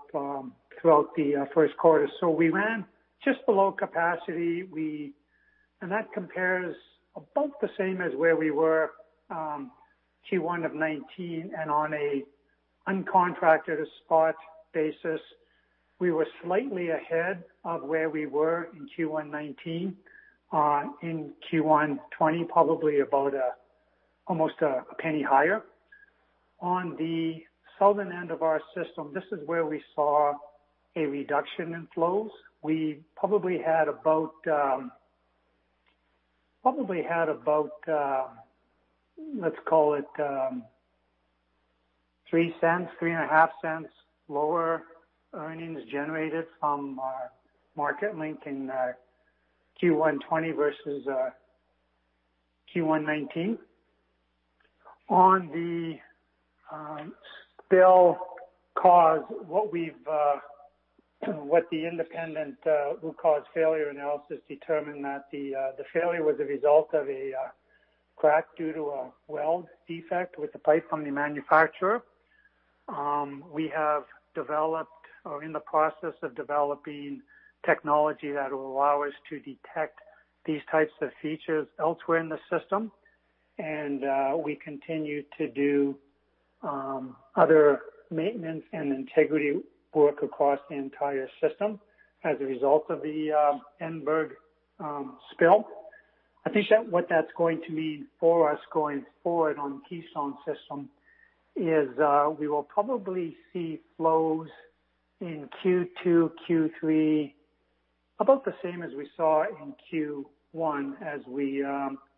throughout the first quarter. We ran just below capacity. That compares about the same as where we were Q1 2019, and on a uncontracted spot basis, we were slightly ahead of where we were in Q1 2019. In Q1 2020, probably about almost a penny higher. On the southern end of our system, this is where we saw a reduction in flows. We probably had about, let's call it, 0.03, CAD 0.035 lower earnings generated from our Marketlink in Q1 2020 versus Q1 2019. On the spill cause, what the independent root cause failure analysis determined that the failure was a result of a crack due to a weld defect with the pipe from the manufacturer. We have developed or are in the process of developing technology that will allow us to detect these types of features elsewhere in our system. We continue to do other maintenance and integrity work across the entire system as a result of the Enbridge spill. I think what that's going to mean for us going forward on Keystone System is we will probably see flows in Q2, Q3, about the same as we saw in Q1 as we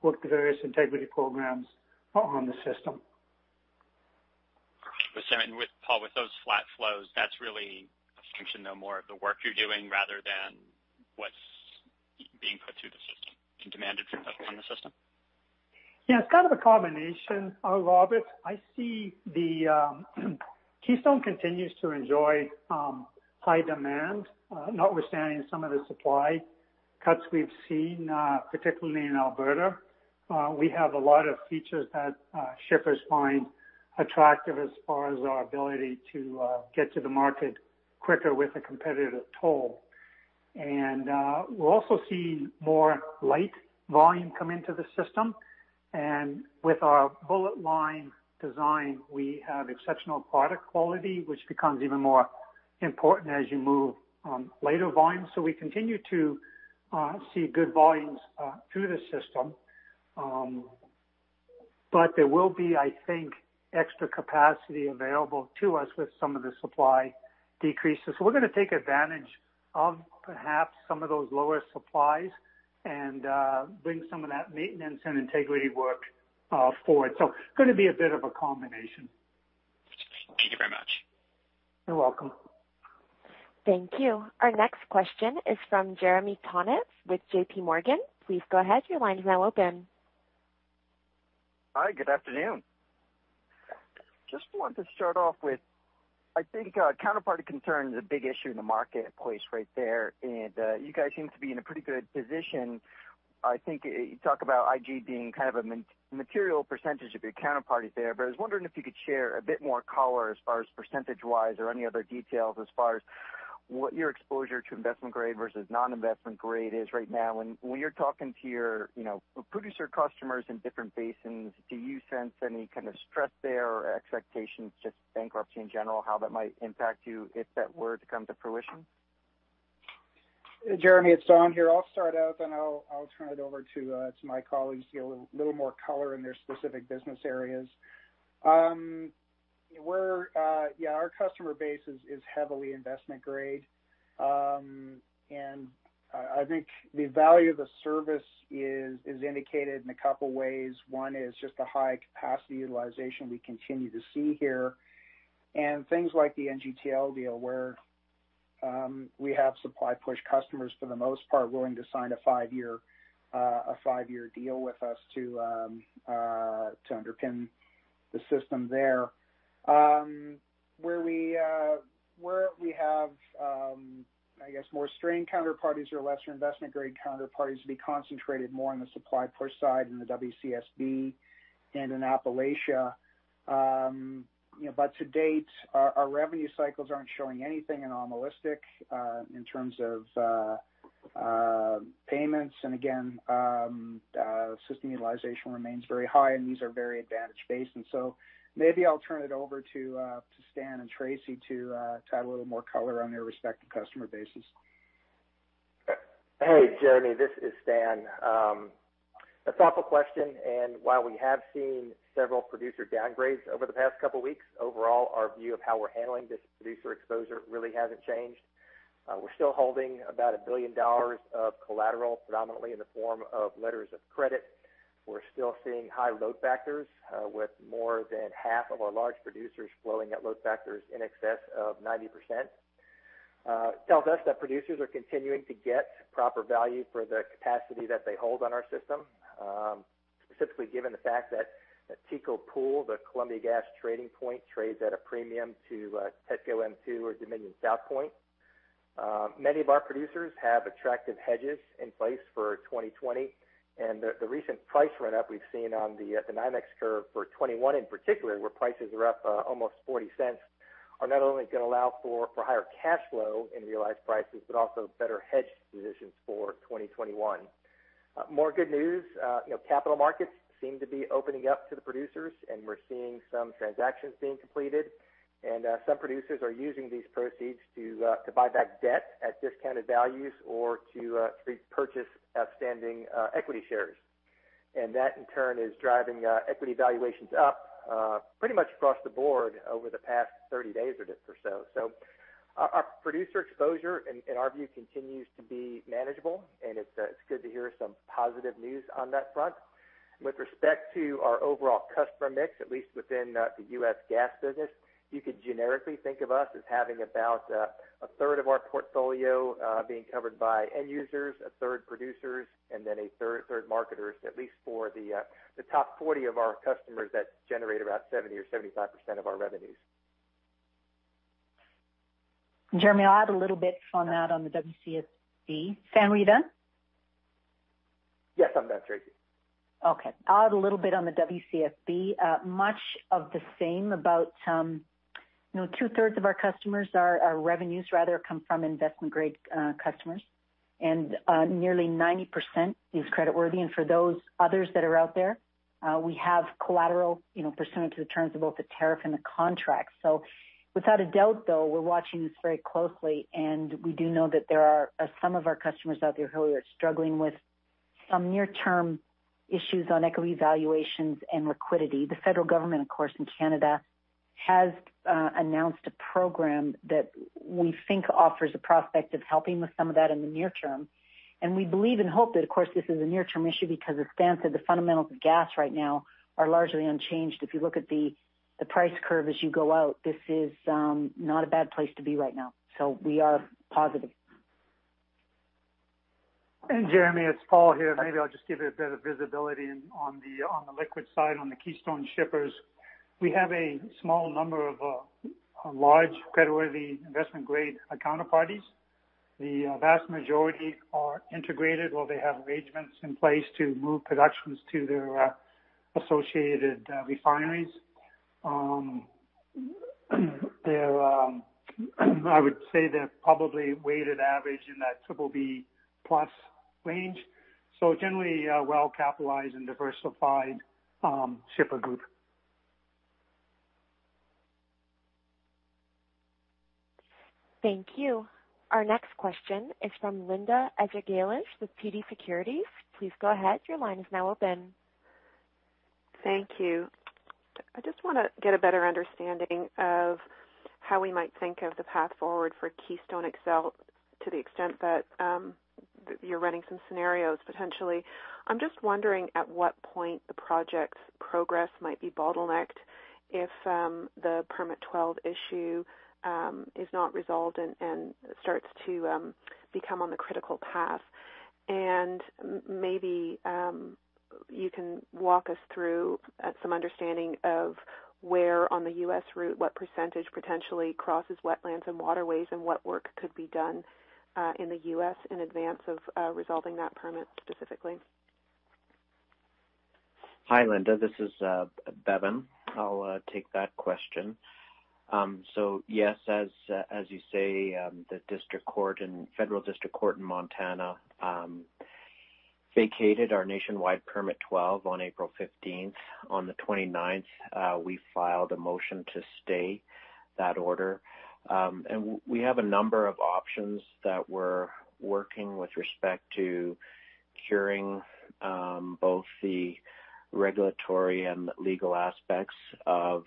work the various integrity programs on the system. Paul, with those flat flows, that's really a function, though, more of the work you're doing rather than what's being put through the system and demanded through the system? Yeah, it's kind of a combination, Robert. I see the Keystone continues to enjoy high demand, notwithstanding some of the supply cuts we've seen, particularly in Alberta. We have a lot of features that shippers find attractive as far as our ability to get to the market quicker with a competitive toll. We're also seeing more light volume come into the system. With our bullet line design, we have exceptional product quality, which becomes even more important as you move lighter volumes. We continue to see good volumes through the system. There will be, I think, extra capacity available to us with some of the supply decreases. We're going to take advantage of perhaps some of those lower supplies and bring some of that maintenance and integrity work forward. Going to be a bit of a combination. Thank you very much. You're welcome. Thank you. Our next question is from Jeremy Tonet with JPMorgan. Please go ahead. Your line is now open. Hi, good afternoon. Just want to start off with, I think counterparty concern is a big issue in the marketplace right there. You guys seem to be in a pretty good position. I think you talk about IG being a material percentage of your counterparties there. I was wondering if you could share a bit more color as far as percentage-wise or any other details as far as what your exposure to investment-grade versus non-investment grade is right now. When you're talking to your producer customers in different basins, do you sense any kind of stress there or expectations, just bankruptcy in general, how that might impact you if that were to come to fruition? Jeremy, it's Don here. I'll start out, then I'll turn it over to my colleagues to give a little more color in their specific business areas. Yeah, our customer base is heavily investment-grade. I think the value of the service is indicated in a couple of ways. One is just the high capacity utilization we continue to see here, and things like the NGTL deal where we have supply-push customers for the most part, willing to sign a five-year deal with us to underpin the system there. Where we have more strained counterparties or lesser investment-grade counterparties, we concentrated more on the supply-push side in the WCSB and in Appalachia. To date, our revenue cycles aren't showing anything anomalistic in terms of payments. Again, system utilization remains very high, and these are very advantaged basins. Maybe I'll turn it over to Stan and Tracy to add a little more color on their respective customer bases. Hey, Jeremy, this is Stan. That's an awful question. While we have seen several producer downgrades over the past couple of weeks, overall, our view of how we're handling this producer exposure really hasn't changed. We're still holding about 1 billion dollars of collateral, predominantly in the form of letters of credit. We're still seeing high load factors, with more than half of our large producers flowing at load factors in excess of 90%. It tells us that producers are continuing to get proper value for the capacity that they hold on our system, specifically given the fact that TCO Pool, the Columbia Gas trading point, trades at a premium to TETCO M2 or Dominion South point. Many of our producers have attractive hedges in place for 2020. The recent price run-up we've seen on the dynamic curve for 2021 in particular, where prices are up almost 0.40, are not only going to allow for higher cash flow in realized prices, but also better hedge positions for 2021. More good news, capital markets seem to be opening up to the producers. We're seeing some transactions being completed. Some producers are using these proceeds to buy back debt at discounted values or to repurchase outstanding equity shares. That in turn is driving equity valuations up pretty much across the board over the past 30 days or so. Our producer exposure, in our view, continues to be manageable. It's good to hear some positive news on that front. With respect to our overall customer mix, at least within the U.S. gas business, you could generically think of us as having about a third of our portfolio being covered by end users, a third producers, and then a third marketers, at least for the top 40 of our customers that generate about 70% or 75% of our revenues. Jeremy, I'll add a little bit on that on the WCSB. Stan, were you done? Yes, I'm done, Tracy. Okay. I'll add a little bit on the WCSB. Much of the same, about two-thirds of our revenues come from investment-grade customers, and nearly 90% is creditworthy. For those others that are out there, we have collateral pursuant to the terms of both the tariff and the contract. Without a doubt, though, we're watching this very closely, and we do know that there are some of our customers out there who are struggling with some near-term issues on equity valuations and liquidity. The federal government, of course, in Canada, has announced a program that we think offers a prospect of helping with some of that in the near term. We believe and hope that, of course, this is a near-term issue because as Stan said, the fundamentals of gas right now are largely unchanged. If you look at the price curve as you go out, this is not a bad place to be right now. We are positive. Jeremy, it's Paul here. Maybe I'll just give it a bit of visibility on the liquid side, on the Keystone shippers. We have a small number of large, creditworthy investment-grade counterparties. The vast majority are integrated, or they have arrangements in place to move productions to their associated refineries. I would say they're probably weighted average in that BBB+ range. Generally, a well-capitalized and diversified shipper group. Thank you. Our next question is from Linda Ezergailis with TD Securities. Please go ahead. Your line is now open. Thank you. I just want to get a better understanding of how we might think of the path forward for Keystone XL to the extent that you're running some scenarios potentially. I'm just wondering at what point the project's progress might be bottlenecked if the Permit 12 issue is not resolved and starts to become on the critical path. Maybe you can walk us through some understanding of where on the U.S. route, what percentage potentially crosses wetlands and waterways, and what work could be done in the U.S. in advance of resolving that permit specifically. Hi, Linda. This is Bevin. I'll take that question. Yes, as you say, the Federal District Court in Montana vacated our Nationwide Permit 12 on April 15th. On the 29th, we filed a motion to stay that order. We have a number of options that we're working with respect to curing both the regulatory and legal aspects of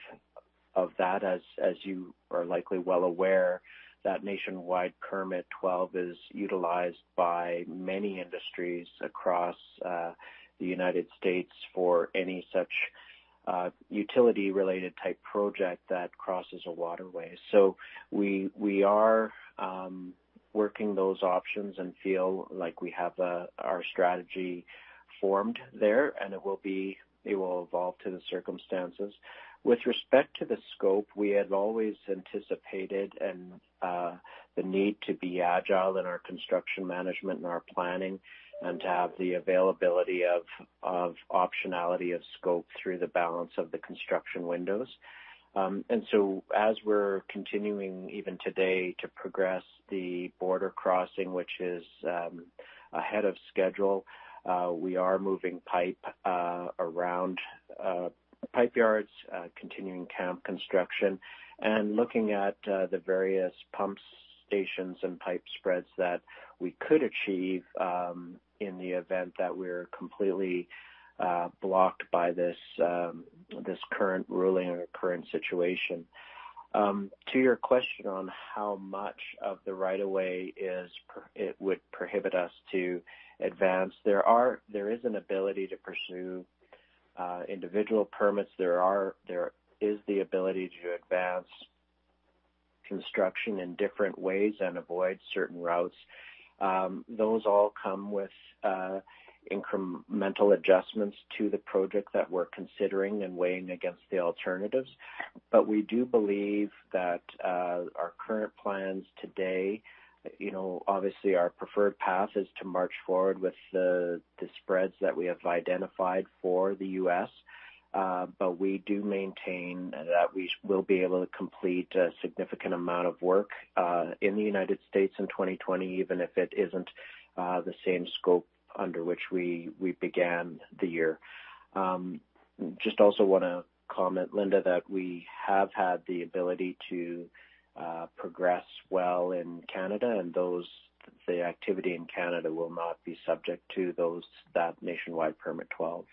that. As you are likely well aware, that Nationwide Permit 12 is utilized by many industries across the U.S. for any such utility-related type project that crosses a waterway. We are working those options and feel like we have our strategy formed there, and it will evolve to the circumstances. With respect to the scope, we had always anticipated and the need to be agile in our construction management and our planning and to have the availability of optionality of scope through the balance of the construction windows. As we're continuing even today to progress the border crossing, which is ahead of schedule, we are moving pipe around pipe yards, continuing camp construction, and looking at the various pump stations and pipe spreads that we could achieve in the event that we're completely blocked by this current ruling or current situation. To your question on how much of the right of way would prohibit us to advance, there is an ability to pursue individual permits. There is the ability to advance construction in different ways and avoid certain routes. Those all come with incremental adjustments to the project that we're considering and weighing against the alternatives. We do believe that our current plans today, obviously our preferred path is to march forward with the spreads that we have identified for the U.S., but we do maintain that we will be able to complete a significant amount of work in the United States in 2020, even if it isn't the same scope under which we began the year. Just also want to comment, Linda, that we have had the ability to progress well in Canada, and the activity in Canada will not be subject to that Nationwide Permit 12.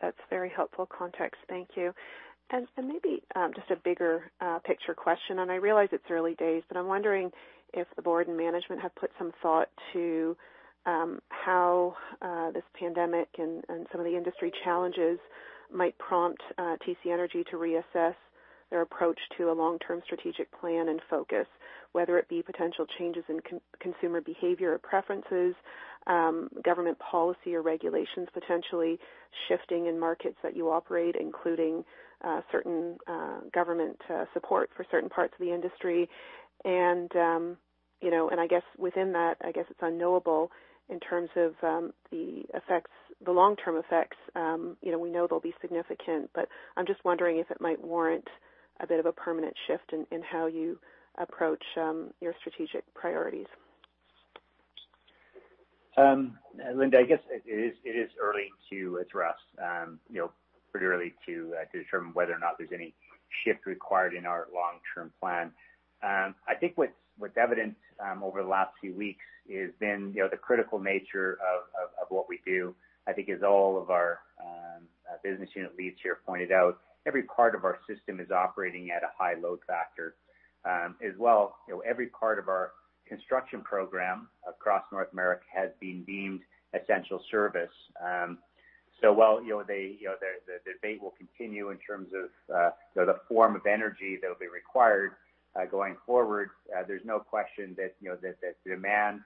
That's very helpful context. Thank you. Maybe just a bigger picture question, and I realize it's early days, but I'm wondering if the board and management have put some thought to how this pandemic and some of the industry challenges might prompt TC Energy to reassess their approach to a long-term strategic plan and focus, whether it be potential changes in consumer behavior or preferences, government policy or regulations potentially shifting in markets that you operate, including certain government support for certain parts of the industry. I guess within that, I guess it's unknowable in terms of the long-term effects. We know they'll be significant, but I'm just wondering if it might warrant a bit of a permanent shift in how you approach your strategic priorities. Linda, I guess it is early to address, pretty early to determine whether or not there's any shift required in our long-term plan. I think what's evident over the last few weeks is been the critical nature of what we do. I think as all of our business unit leads here pointed out, every part of our system is operating at a high load factor. As well, every part of our construction program across North America has been deemed essential service. While the debate will continue in terms of the form of energy that will be required going forward, there's no question that the demand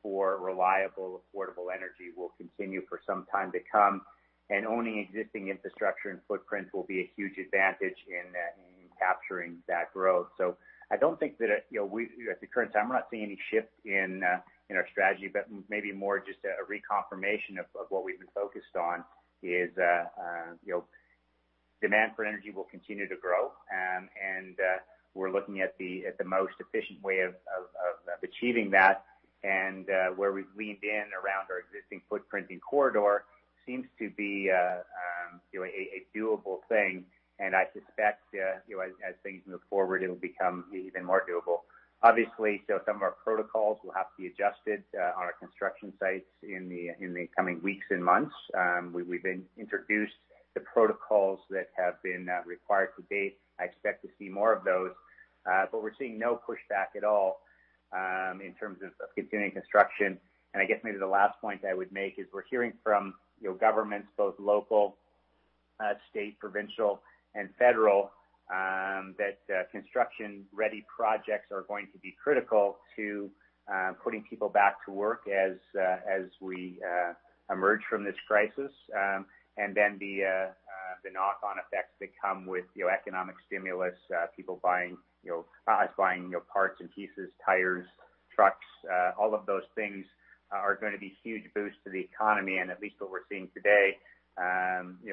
for reliable, affordable energy will continue for some time to come, and owning existing infrastructure and footprint will be a huge advantage in capturing that growth. I don't think that at the current time, I'm not seeing any shift in our strategy, but maybe more just a reconfirmation of what we've been focused on is demand for energy will continue to grow, and we're looking at the most efficient way of achieving that. Where we've leaned in around our existing footprint in corridor seems to be a doable thing, and I suspect as things move forward, it'll become even more doable. Obviously, some of our protocols will have to be adjusted on our construction sites in the coming weeks and months. We've introduced the protocols that have been required to date. I expect to see more of those. We're seeing no pushback at all in terms of continuing construction. I guess maybe the last point I would make is we're hearing from governments, both local, state, provincial, and federal, that construction-ready projects are going to be critical to putting people back to work as we emerge from this crisis. Then the knock-on effects that come with economic stimulus, people buying parts and pieces, tires, trucks, all of those things are going to be huge boosts to the economy. At least what we're seeing today,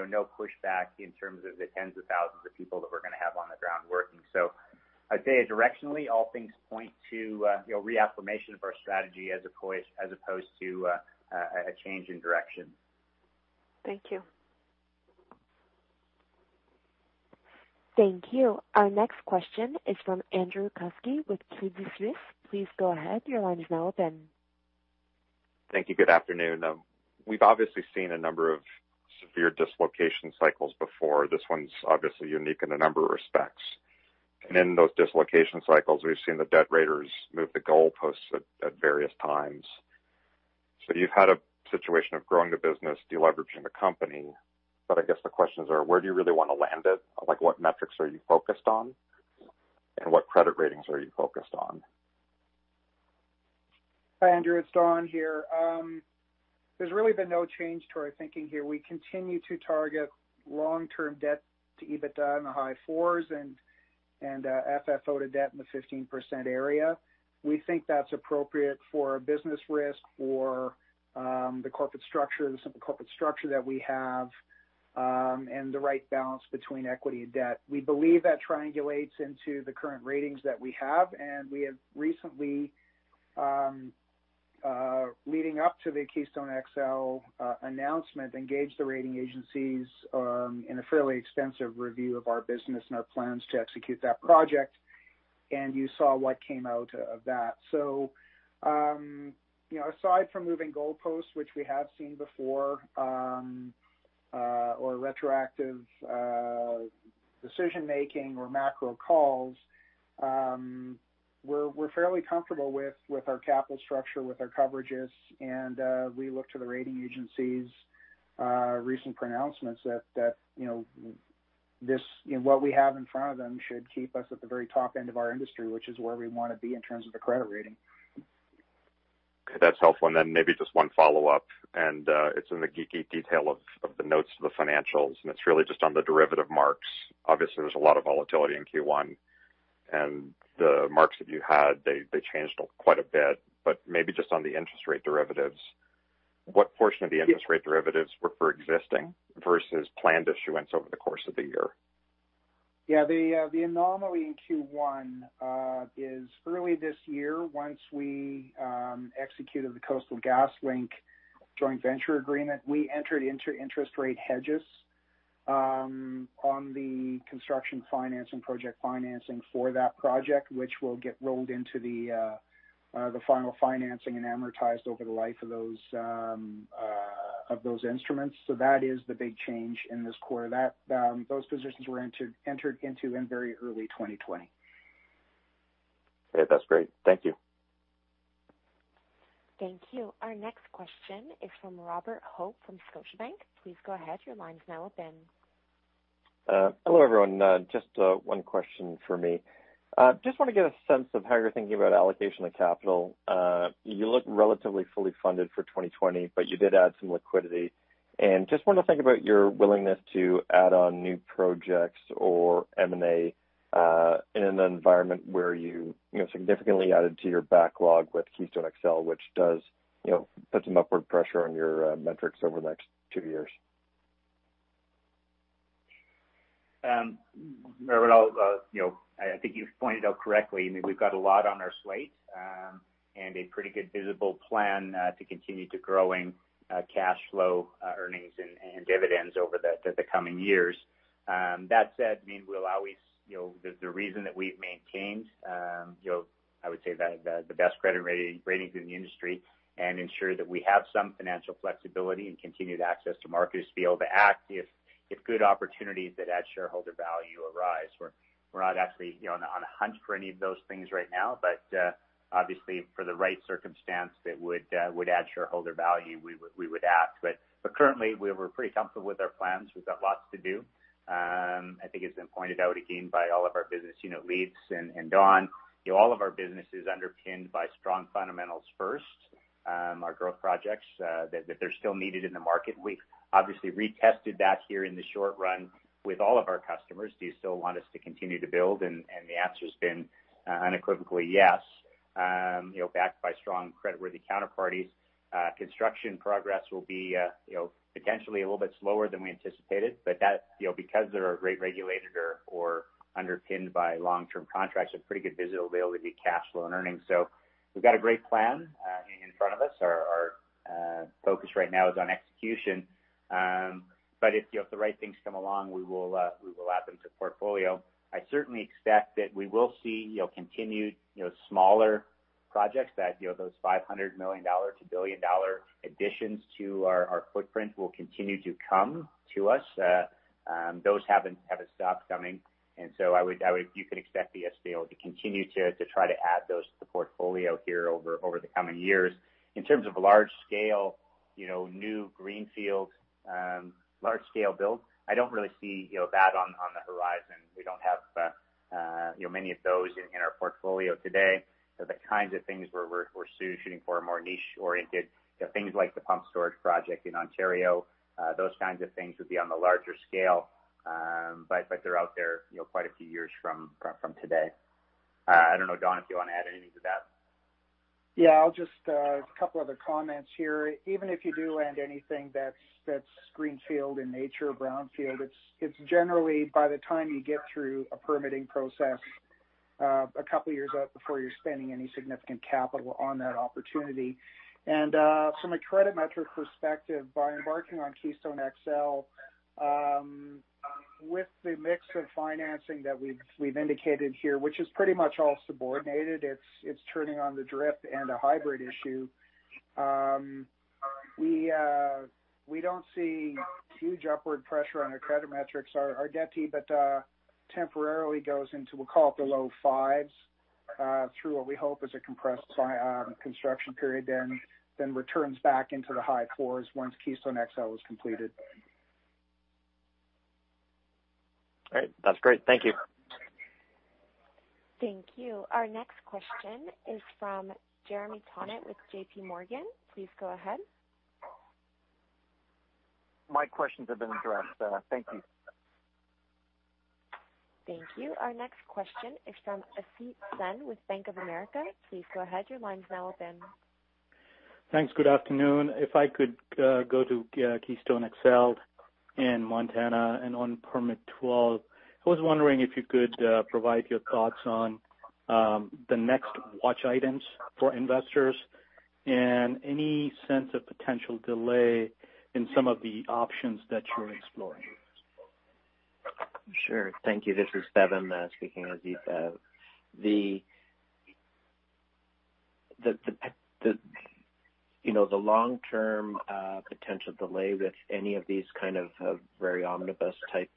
no pushback in terms of the tens of thousands of people that we're going to have on the ground working. I'd say directionally, all things point to reaffirmation of our strategy as opposed to a change in direction. Thank you. Thank you. Our next question is from Andrew Kuske with Credit Suisse. Please go ahead. Your line is now open. Thank you. Good afternoon. We've obviously seen a number of severe dislocation cycles before. This one's obviously unique in a number of respects. In those dislocation cycles, we've seen the debt raters move the goalposts at various times. You've had a situation of growing the business, de-leveraging the company. I guess the questions are, where do you really want to land it? What metrics are you focused on, and what credit ratings are you focused on? Hi, Andrew. It's Don here. There's really been no change to our thinking here. We continue to target long-term debt to EBITDA in the high fours and FFO to debt in the 15% area. We think that's appropriate for a business risk for the corporate structure that we have, and the right balance between equity and debt. We believe that triangulates into the current ratings that we have, and we have recently, leading up to the Keystone XL announcement, engaged the rating agencies in a fairly extensive review of our business and our plans to execute that project. You saw what came out of that. Aside from moving goalposts, which we have seen before, or retroactive decision-making or macro calls, we're fairly comfortable with our capital structure, with our coverages. We look to the rating agencies' recent pronouncements that what we have in front of them should keep us at the very top end of our industry, which is where we want to be in terms of the credit rating. Okay. That's helpful. Then maybe just one follow-up, and it's in the geeky detail of the notes of the financials, and it's really just on the derivative marks. Obviously, there's a lot of volatility in Q1, and the marks that you had, they changed quite a bit. Maybe just on the interest rate derivatives, what portion of the interest rate derivatives were for existing versus planned issuance over the course of the year? Yeah. The anomaly in Q1 is early this year, once we executed the Coastal GasLink joint venture agreement, we entered into interest rate hedges on the construction financing, project financing for that project, which will get rolled into the final financing and amortized over the life of those instruments. That is the big change in this quarter. Those positions were entered into in very early 2020. Okay. That's great. Thank you. Thank you. Our next question is from Robert Hope from Scotiabank. Please go ahead. Your line's now open. Hello, everyone. Just one question from me. Just want to get a sense of how you're thinking about allocation of capital. You look relatively fully funded for 2020, you did add some liquidity. Just want to think about your willingness to add on new projects or M&A, in an environment where you significantly added to your backlog with Keystone XL, which does put some upward pressure on your metrics over the next two years. Robert, I think you've pointed out correctly. We've got a lot on our slate, and a pretty good visible plan to continue to growing cash flow earnings and dividends over the coming years. That said, the reason that we've maintained, I would say the best credit ratings in the industry and ensure that we have some financial flexibility and continued access to markets to be able to act if good opportunities that add shareholder value arise. We're not actually on a hunt for any of those things right now, but obviously for the right circumstance that would add shareholder value, we would act. Currently, we're pretty comfortable with our plans. We've got lots to do. I think it's been pointed out again by all of our business unit leads and Don. All of our business is underpinned by strong fundamentals first. Our growth projects, that they're still needed in the market. We've obviously retested that here in the short run with all of our customers. Do you still want us to continue to build? The answer's been unequivocally yes. Backed by strong creditworthy counterparties. Construction progress will be potentially a little bit slower than we anticipated. Because they're rate regulated or underpinned by long-term contracts with pretty good visibility, cash flow, and earnings. We've got a great plan in front of us. Our focus right now is on execution. If the right things come along, we will add them to portfolio. I certainly expect that we will see continued smaller projects that those 500 million dollar to 1 billion dollar additions to our footprint will continue to come to us. Those haven't stopped coming. You can expect TCPL to continue to try to add those to the portfolio here over the coming years. In terms of large-scale, new greenfield, large-scale build, I don't really see that on the horizon. We don't have many of those in our portfolio today. The kinds of things where we're shooting for a more niche-oriented, things like the pumped storage project in Ontario, those kinds of things would be on the larger scale. They're out there quite a few years from today. I don't know, Don, if you want to add anything to that. Yeah, I'll just a couple other comments here. Even if you do land anything that's greenfield in nature or brownfield, it's generally by the time you get through a permitting process, a couple of years out before you're spending any significant capital on that opportunity. From a credit metric perspective, by embarking on Keystone XL, with the mix of financing that we've indicated here, which is pretty much all subordinated, it's turning on the DRIP and a hybrid issue. We don't see huge upward pressure on the credit metrics. Our debt temporarily goes into, we'll call it the low fives, through what we hope is a compressed construction period there, and then returns back into the high fours once Keystone XL is completed. Great. That's great. Thank you. Thank you. Our next question is from Jeremy Tonet with JPMorgan. Please go ahead. My questions have been addressed. Thank you. Thank you. Our next question is from Asit Sen with Bank of America. Please go ahead. Your line's now open. Thanks. Good afternoon. If I could go to Keystone XL in Montana and on Permit 12. I was wondering if you could provide your thoughts on the next watch items for investors and any sense of potential delay in some of the options that you're exploring. Sure. Thank you. This is Bevin speaking, Asit. The long-term potential delay with any of these very omnibus-type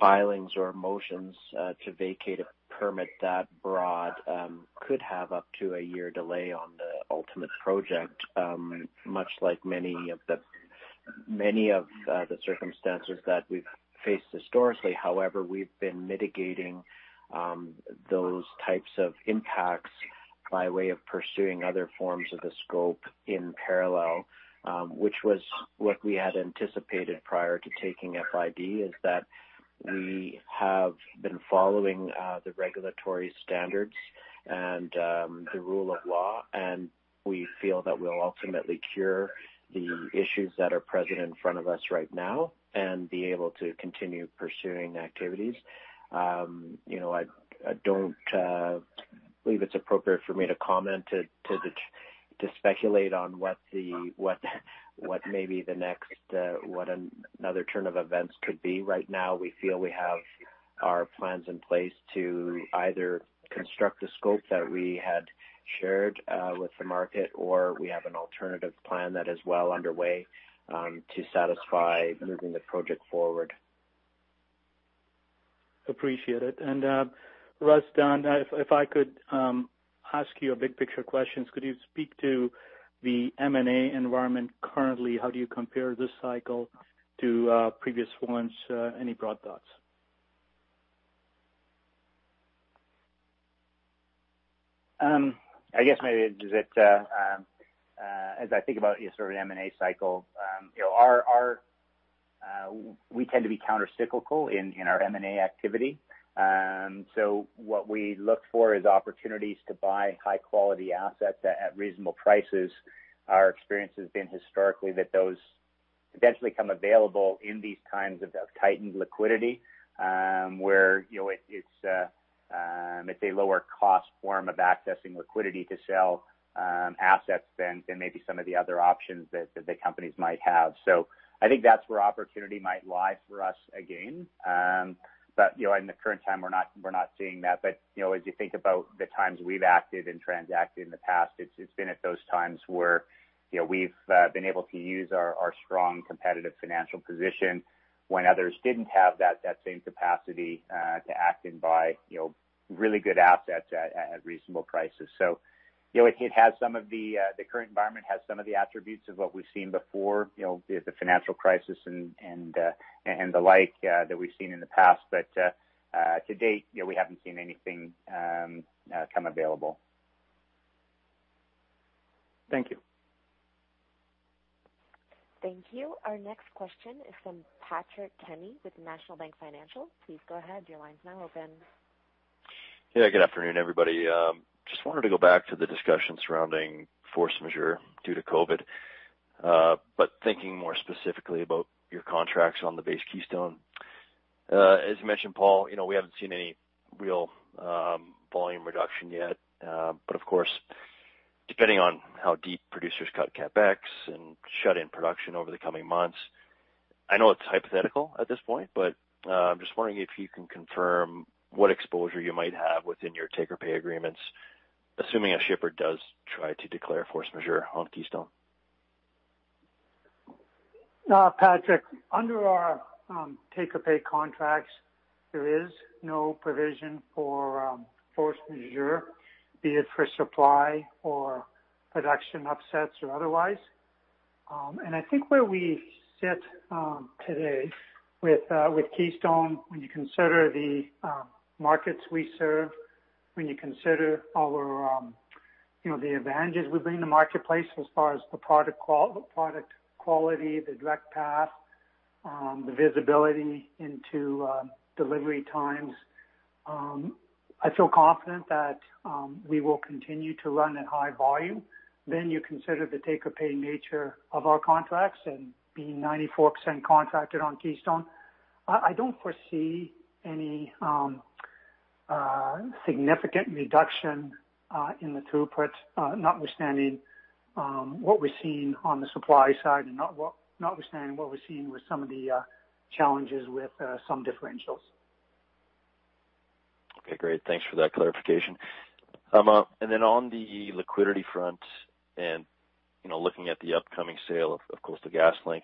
filings or motions to vacate a permit that broad could have up to a year delay on the ultimate project, much like many of the circumstances that we've faced historically. However, we've been mitigating those types of impacts by way of pursuing other forms of the scope in parallel, which was what we had anticipated prior to taking FID, is that we have been following the regulatory standards and the rule of law, and we feel that we'll ultimately cure the issues that are present in front of us right now and be able to continue pursuing activities. I don't believe it's appropriate for me to comment to speculate on what maybe the next, what another turn of events could be. Right now, we feel we have our plans in place to either construct a scope that we had shared with the market, or we have an alternative plan that is well underway to satisfy moving the project forward. Appreciate it. Russ, if I could ask you a big-picture question. Could you speak to the M&A environment currently? How do you compare this cycle to previous ones? Any broad thoughts? I guess maybe as I think about sort of the M&A cycle, we tend to be counter-cyclical in our M&A activity. What we look for is opportunities to buy high-quality assets at reasonable prices. Our experience has been historically that those eventually come available in these times of tightened liquidity, where it's a lower-cost form of accessing liquidity to sell assets than maybe some of the other options that the companies might have. I think that's where opportunity might lie for us again. In the current time, we're not seeing that. As you think about the times we've acted and transacted in the past, it's been at those times where we've been able to use our strong competitive financial position when others didn't have that same capacity to act and buy really good assets at reasonable prices. The current environment has some of the attributes of what we've seen before, the financial crisis and the like that we've seen in the past. To date, we haven't seen anything come available. Thank you. Thank you. Our next question is from Patrick Kenny with National Bank Financial. Please go ahead. Your line's now open. Yeah. Good afternoon, everybody. Just wanted to go back to the discussion surrounding force majeure due to COVID, but thinking more specifically about your contracts on the base Keystone. As you mentioned, Paul, we haven't seen any real volume reduction yet. Of course, depending on how deep producers cut CapEx and shut in production over the coming months, I know it's hypothetical at this point, but I'm just wondering if you can confirm what exposure you might have within your take-or-pay agreements, assuming a shipper does try to declare force majeure on Keystone. Patrick, under our take-or-pay contracts, there is no provision for force majeure, be it for supply or production upsets or otherwise. I think where we sit today with Keystone, when you consider the markets we serve, when you consider the advantages we bring to the marketplace as far as the product quality, the direct path, the visibility into delivery times, I feel confident that we will continue to run at high volume. You consider the take-or-pay nature of our contracts and being 94% contracted on Keystone, I don't foresee any significant reduction in the throughput, notwithstanding what we're seeing on the supply side and notwithstanding what we're seeing with some of the challenges with some differentials. Okay, great. Thanks for that clarification. Then on the liquidity front and looking at the upcoming sale, of course, the GasLink,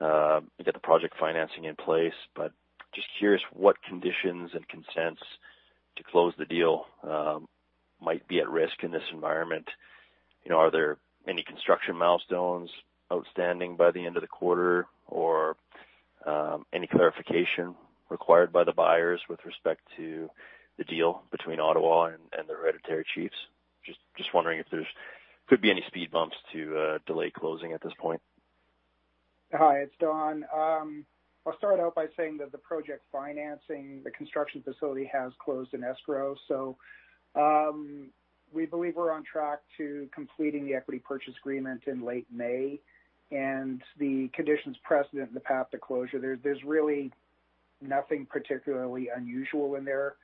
you got the project financing in place, but just curious what conditions and consents to close the deal might be at risk in this environment. Are there any construction milestones outstanding by the end of the quarter? Any clarification required by the buyers with respect to the deal between Ottawa and the hereditary chiefs? Just wondering if there could be any speed bumps to delay closing at this point. Hi, it's Don. I'll start out by saying that the project financing, the construction facility has closed in escrow. We believe we're on track to completing the equity purchase agreement in late May. The conditions precedent in the path to closure, there's really nothing particularly unusual in there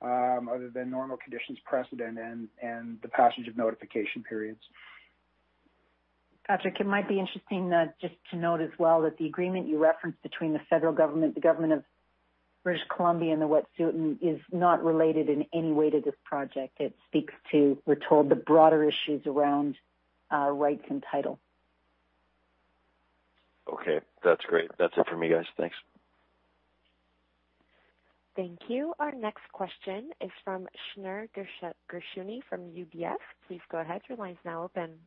other than normal conditions precedent and the passage of notification periods. Patrick, it might be interesting just to note as well that the agreement you referenced between the federal government, the government of British Columbia, and the Wet'suwet'en is not related in any way to this project. It speaks to, we're told, the broader issues around rights and title. Okay. That's great. That's it for me, guys. Thanks. Thank you. Our next question is from Shneur Gershuni from UBS. Please go ahead. Your line's now open.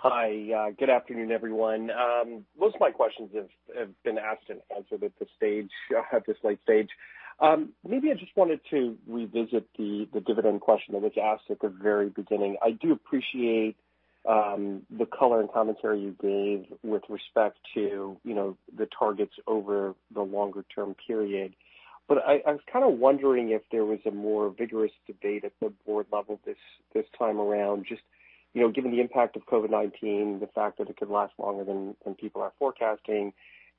Hi. Good afternoon, everyone. Most of my questions have been asked and answered at this late stage. Maybe I just wanted to revisit the dividend question that was asked at the very beginning. I do appreciate the color and commentary you gave with respect to the targets over the longer-term period. I was kind of wondering if there was a more vigorous debate at the board level this time around, just given the impact of COVID-19, the fact that it could last longer than people are forecasting,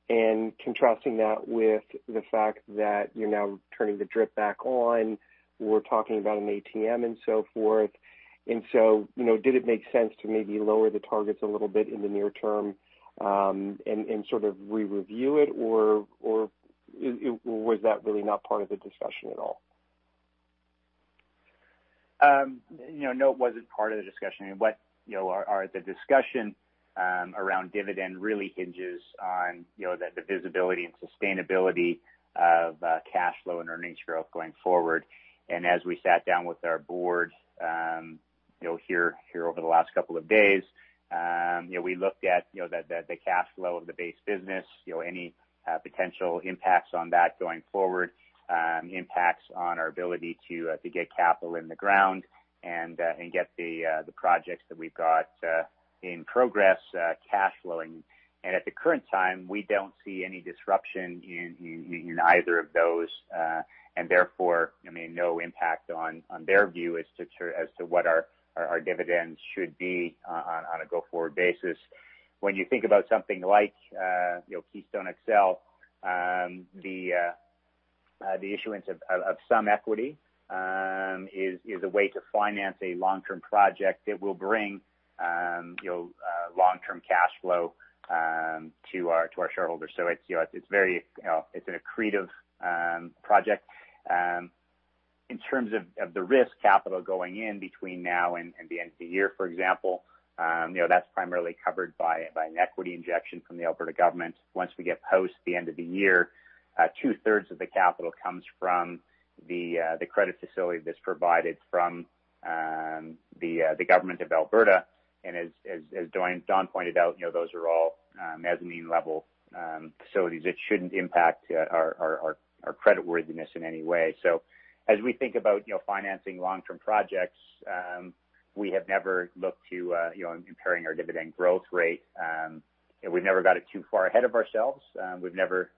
and contrasting that with the fact that you're now turning the drip back on. We're talking about an ATM and so forth. Did it make sense to maybe lower the targets a little bit in the near term, and sort of re-review it, or was that really not part of the discussion at all? No, it wasn't part of the discussion. The discussion around dividend really hinges on the visibility and sustainability of cash flow and earnings growth going forward. As we sat down with our board here over the last couple of days, we looked at the cash flow of the base business, any potential impacts on that going forward, impacts on our ability to get capital in the ground and get the projects that we've got in progress cash flowing. At the current time, we don't see any disruption in either of those. Therefore, no impact on their view as to what our dividends should be on a go-forward basis. When you think about something like Keystone XL, the issuance of some equity is a way to finance a long-term project that will bring long-term cash flow to our shareholders. It's an accretive project. In terms of the risk capital going in between now and the end of the year, for example, that's primarily covered by an equity injection from the Alberta Government. Once we get post the end of the year, two-thirds of the capital comes from the credit facility that's provided from the Government of Alberta. As Don pointed out, those are all mezzanine-level facilities that shouldn't impact our credit worthiness in any way. As we think about financing long-term projects, we have never looked to impairing our dividend growth rate. We've never got it too far ahead of ourselves. We've never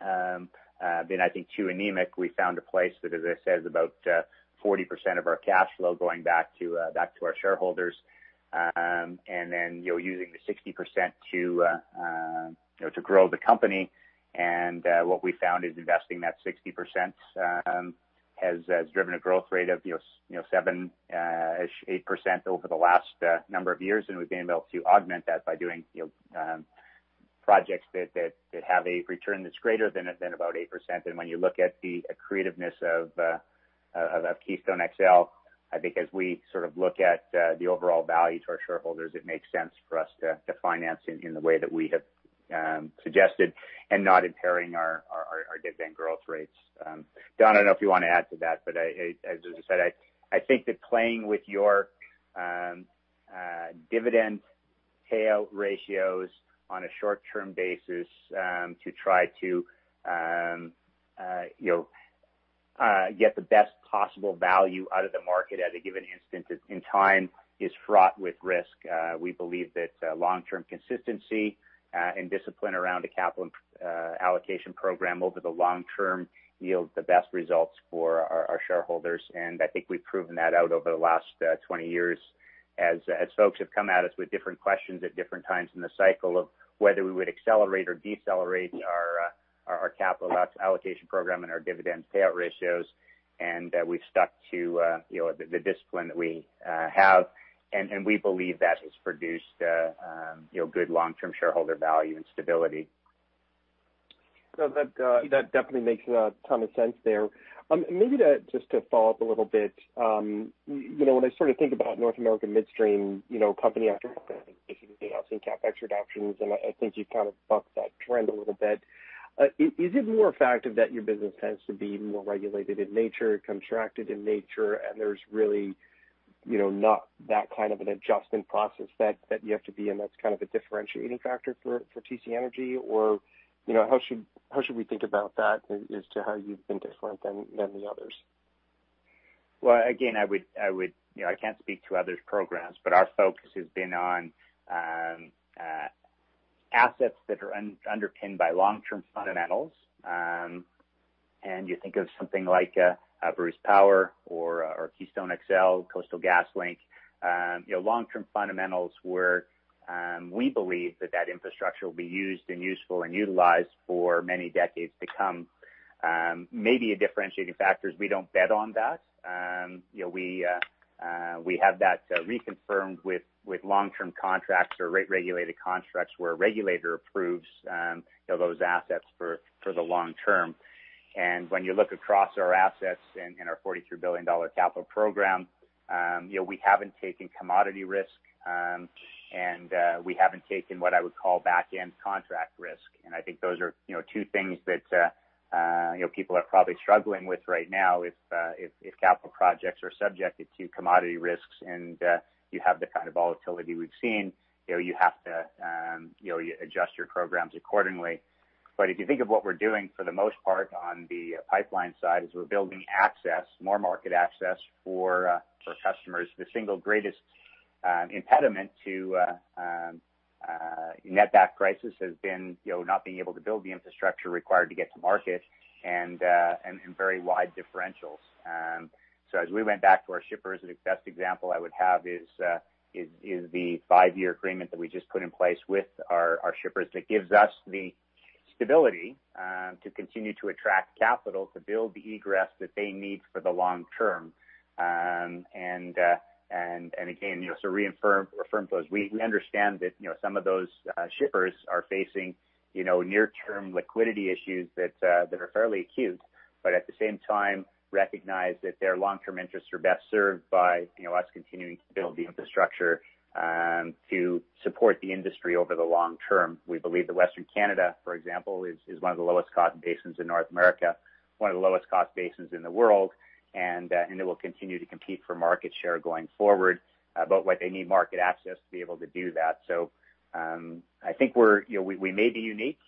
been, I think, too anemic. We found a place that, as I said, is about 40% of our cash flow going back to our shareholders, and then using the 60% to grow the company. What we found is investing that 60% has driven a growth rate of 7%-8% over the last number of years, and we've been able to augment that by doing projects that have a return that's greater than about 8%. When you look at the accretiveness of Keystone XL, I think as we look at the overall value to our shareholders, it makes sense for us to finance in the way that we have suggested and not impairing our dividend growth rates. Don, I don't know if you want to add to that, but as I said, I think that playing with your dividend payout ratios on a short-term basis to try to get the best possible value out of the market at a given instance in time is fraught with risk. We believe that long-term consistency and discipline around a capital allocation program over the long term yields the best results for our shareholders. I think we've proven that out over the last 20 years as folks have come at us with different questions at different times in the cycle of whether we would accelerate or decelerate our capital allocation program and our dividend payout ratios. We've stuck to the discipline that we have, and we believe that has produced good long-term shareholder value and stability. That definitely makes a ton of sense there. Maybe just to follow up a little bit. When I think about North American midstream, company after company, we've seen CapEx reductions, and I think you've kind of bucked that trend a little bit. Is it more a fact that your business tends to be more regulated in nature, contracted in nature, and there's really not that kind of an adjustment process that you have to be in that's kind of a differentiating factor for TC Energy? How should we think about that as to how you've been different than the others? Well, again, I can't speak to others' programs, but our focus has been on assets that are underpinned by long-term fundamentals. You think of something like Bruce Power or Keystone XL, Coastal GasLink. Long-term fundamentals where we believe that that infrastructure will be used and useful and utilized for many decades to come. Maybe a differentiating factor is we don't bet on that. We have that reconfirmed with long-term contracts or rate-regulated contracts where a regulator approves those assets for the long term. When you look across our assets and our 43 billion dollar capital program, we haven't taken commodity risk, and we haven't taken what I would call back-end contract risk. I think those are two things that people are probably struggling with right now. If capital projects are subjected to commodity risks, and you have the kind of volatility we've seen, you have to adjust your programs accordingly. If you think of what we're doing for the most part on the pipeline side is we're building more market access for customers. The single greatest impediment to net-back price has been not being able to build the infrastructure required to get to market and very wide differentials. As we went back to our shippers, the best example I would have is the five-year agreement that we just put in place with our shippers that gives us the stability to continue to attract capital to build the egress that they need for the long term. Again, to reaffirm those, we understand that some of those shippers are facing near-term liquidity issues that are fairly acute, but at the same time recognize that their long-term interests are best served by us continuing to build the infrastructure to support the industry over the long term. We believe that Western Canada, for example, is one of the lowest-cost basins in North America, one of the lowest-cost basins in the world, and it will continue to compete for market share going forward. They need market access to be able to do that. I think we may be unique,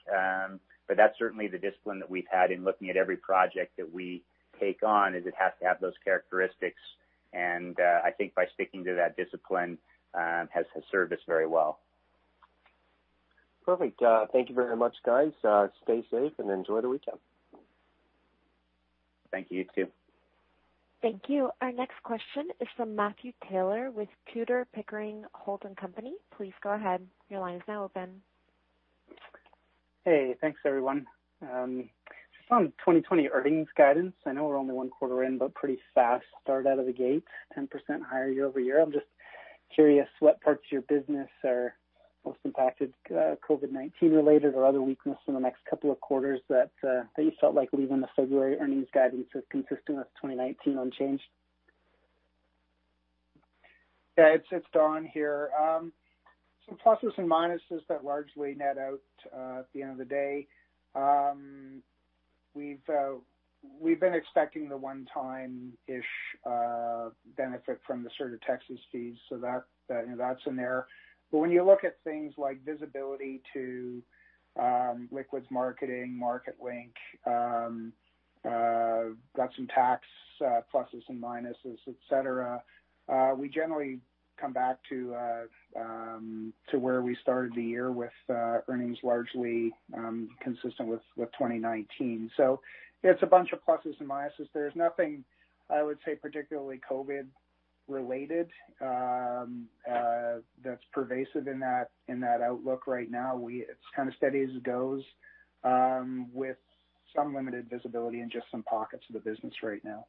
but that's certainly the discipline that we've had in looking at every project that we take on, is it has to have those characteristics, and I think by sticking to that discipline has served us very well. Perfect. Thank you very much, guys. Stay safe and enjoy the weekend. Thank you. You too. Thank you. Our next question is from Matthew Taylor with Tudor, Pickering, Holt & Co. Please go ahead. Your line is now open. Hey, thanks everyone. Just on 2020 earnings guidance, I know we're only one quarter in, but pretty fast start out of the gate, 10% higher year-over-year. I'm just curious what parts of your business are most impacted, COVID-19 related or other weakness in the next couple of quarters that you felt like leaving the February earnings guidance is consistent with 2019 unchanged? Yeah, it's Don here. Some pluses and minuses that largely net out at the end of the day. We've been expecting the one-time-ish benefit from the Sur de Texas fees, that's in there. When you look at things like visibility to liquids marketing, Marketlink, got some tax pluses and minuses, et cetera, we generally come back to where we started the year with earnings largely consistent with 2019. It's a bunch of pluses and minuses. There's nothing, I would say, particularly COVID related that's pervasive in that outlook right now. It's kind of steady as it goes with some limited visibility in just some pockets of the business right now.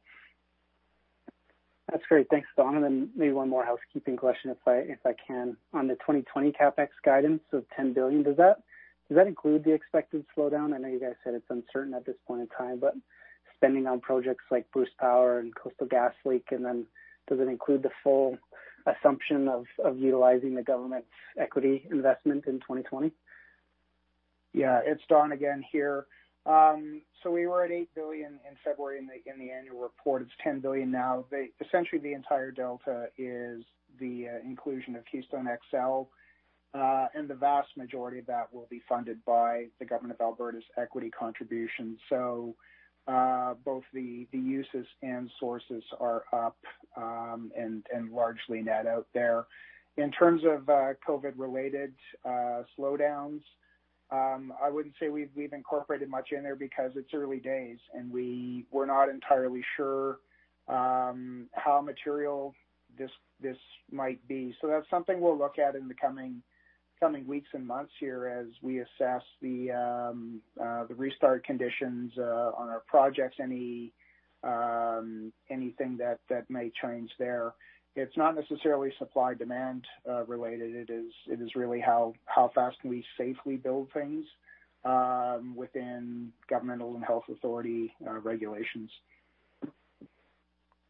That's great. Thanks, Don. Maybe one more housekeeping question if I can. On the 2020 CapEx guidance of 10 billion, does that include the expected slowdown? I know you guys said it's uncertain at this point in time, spending on projects like Bruce Power and Coastal GasLink. Does it include the full assumption of utilizing the government's equity investment in 2020? Yeah, it's Don again here. We were at 8 billion in February in the annual report. It's 10 billion now. Essentially, the entire delta is the inclusion of Keystone XL, and the vast majority of that will be funded by the government of Alberta's equity contribution. Both the uses and sources are up, and largely net out there. In terms of COVID-related slowdowns, I wouldn't say we've incorporated much in there because it's early days, and we're not entirely sure how material this might be. That's something we'll look at in the coming weeks and months here as we assess the restart conditions on our projects, anything that may change there. It's not necessarily supply-demand related. It is really how fast can we safely build things within governmental and health authority regulations.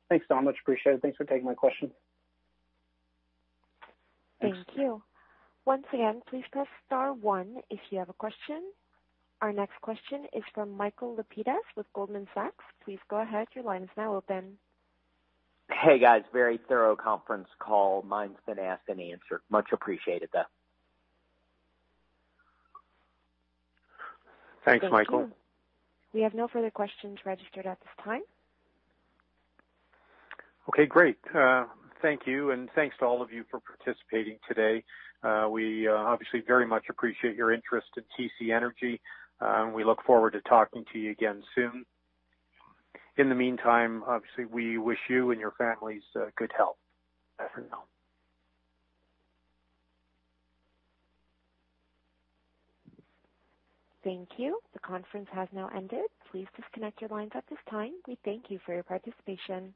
Thanks, Don, much appreciated. Thanks for taking my question. Thanks. Thank you. Once again, please press star one if you have a question. Our next question is from Michael Lapides with Goldman Sachs. Please go ahead. Your line is now open. Hey, guys, very thorough conference call. Mine's been asked and answered. Much appreciated, though. Thanks, Michael. Thank you. We have no further questions registered at this time. Okay, great. Thank you, and thanks to all of you for participating today. We obviously very much appreciate your interest in TC Energy. We look forward to talking to you again soon. In the meantime, obviously, we wish you and your families good health for now. Thank you. The conference has now ended. Please disconnect your lines at this time. We thank you for your participation.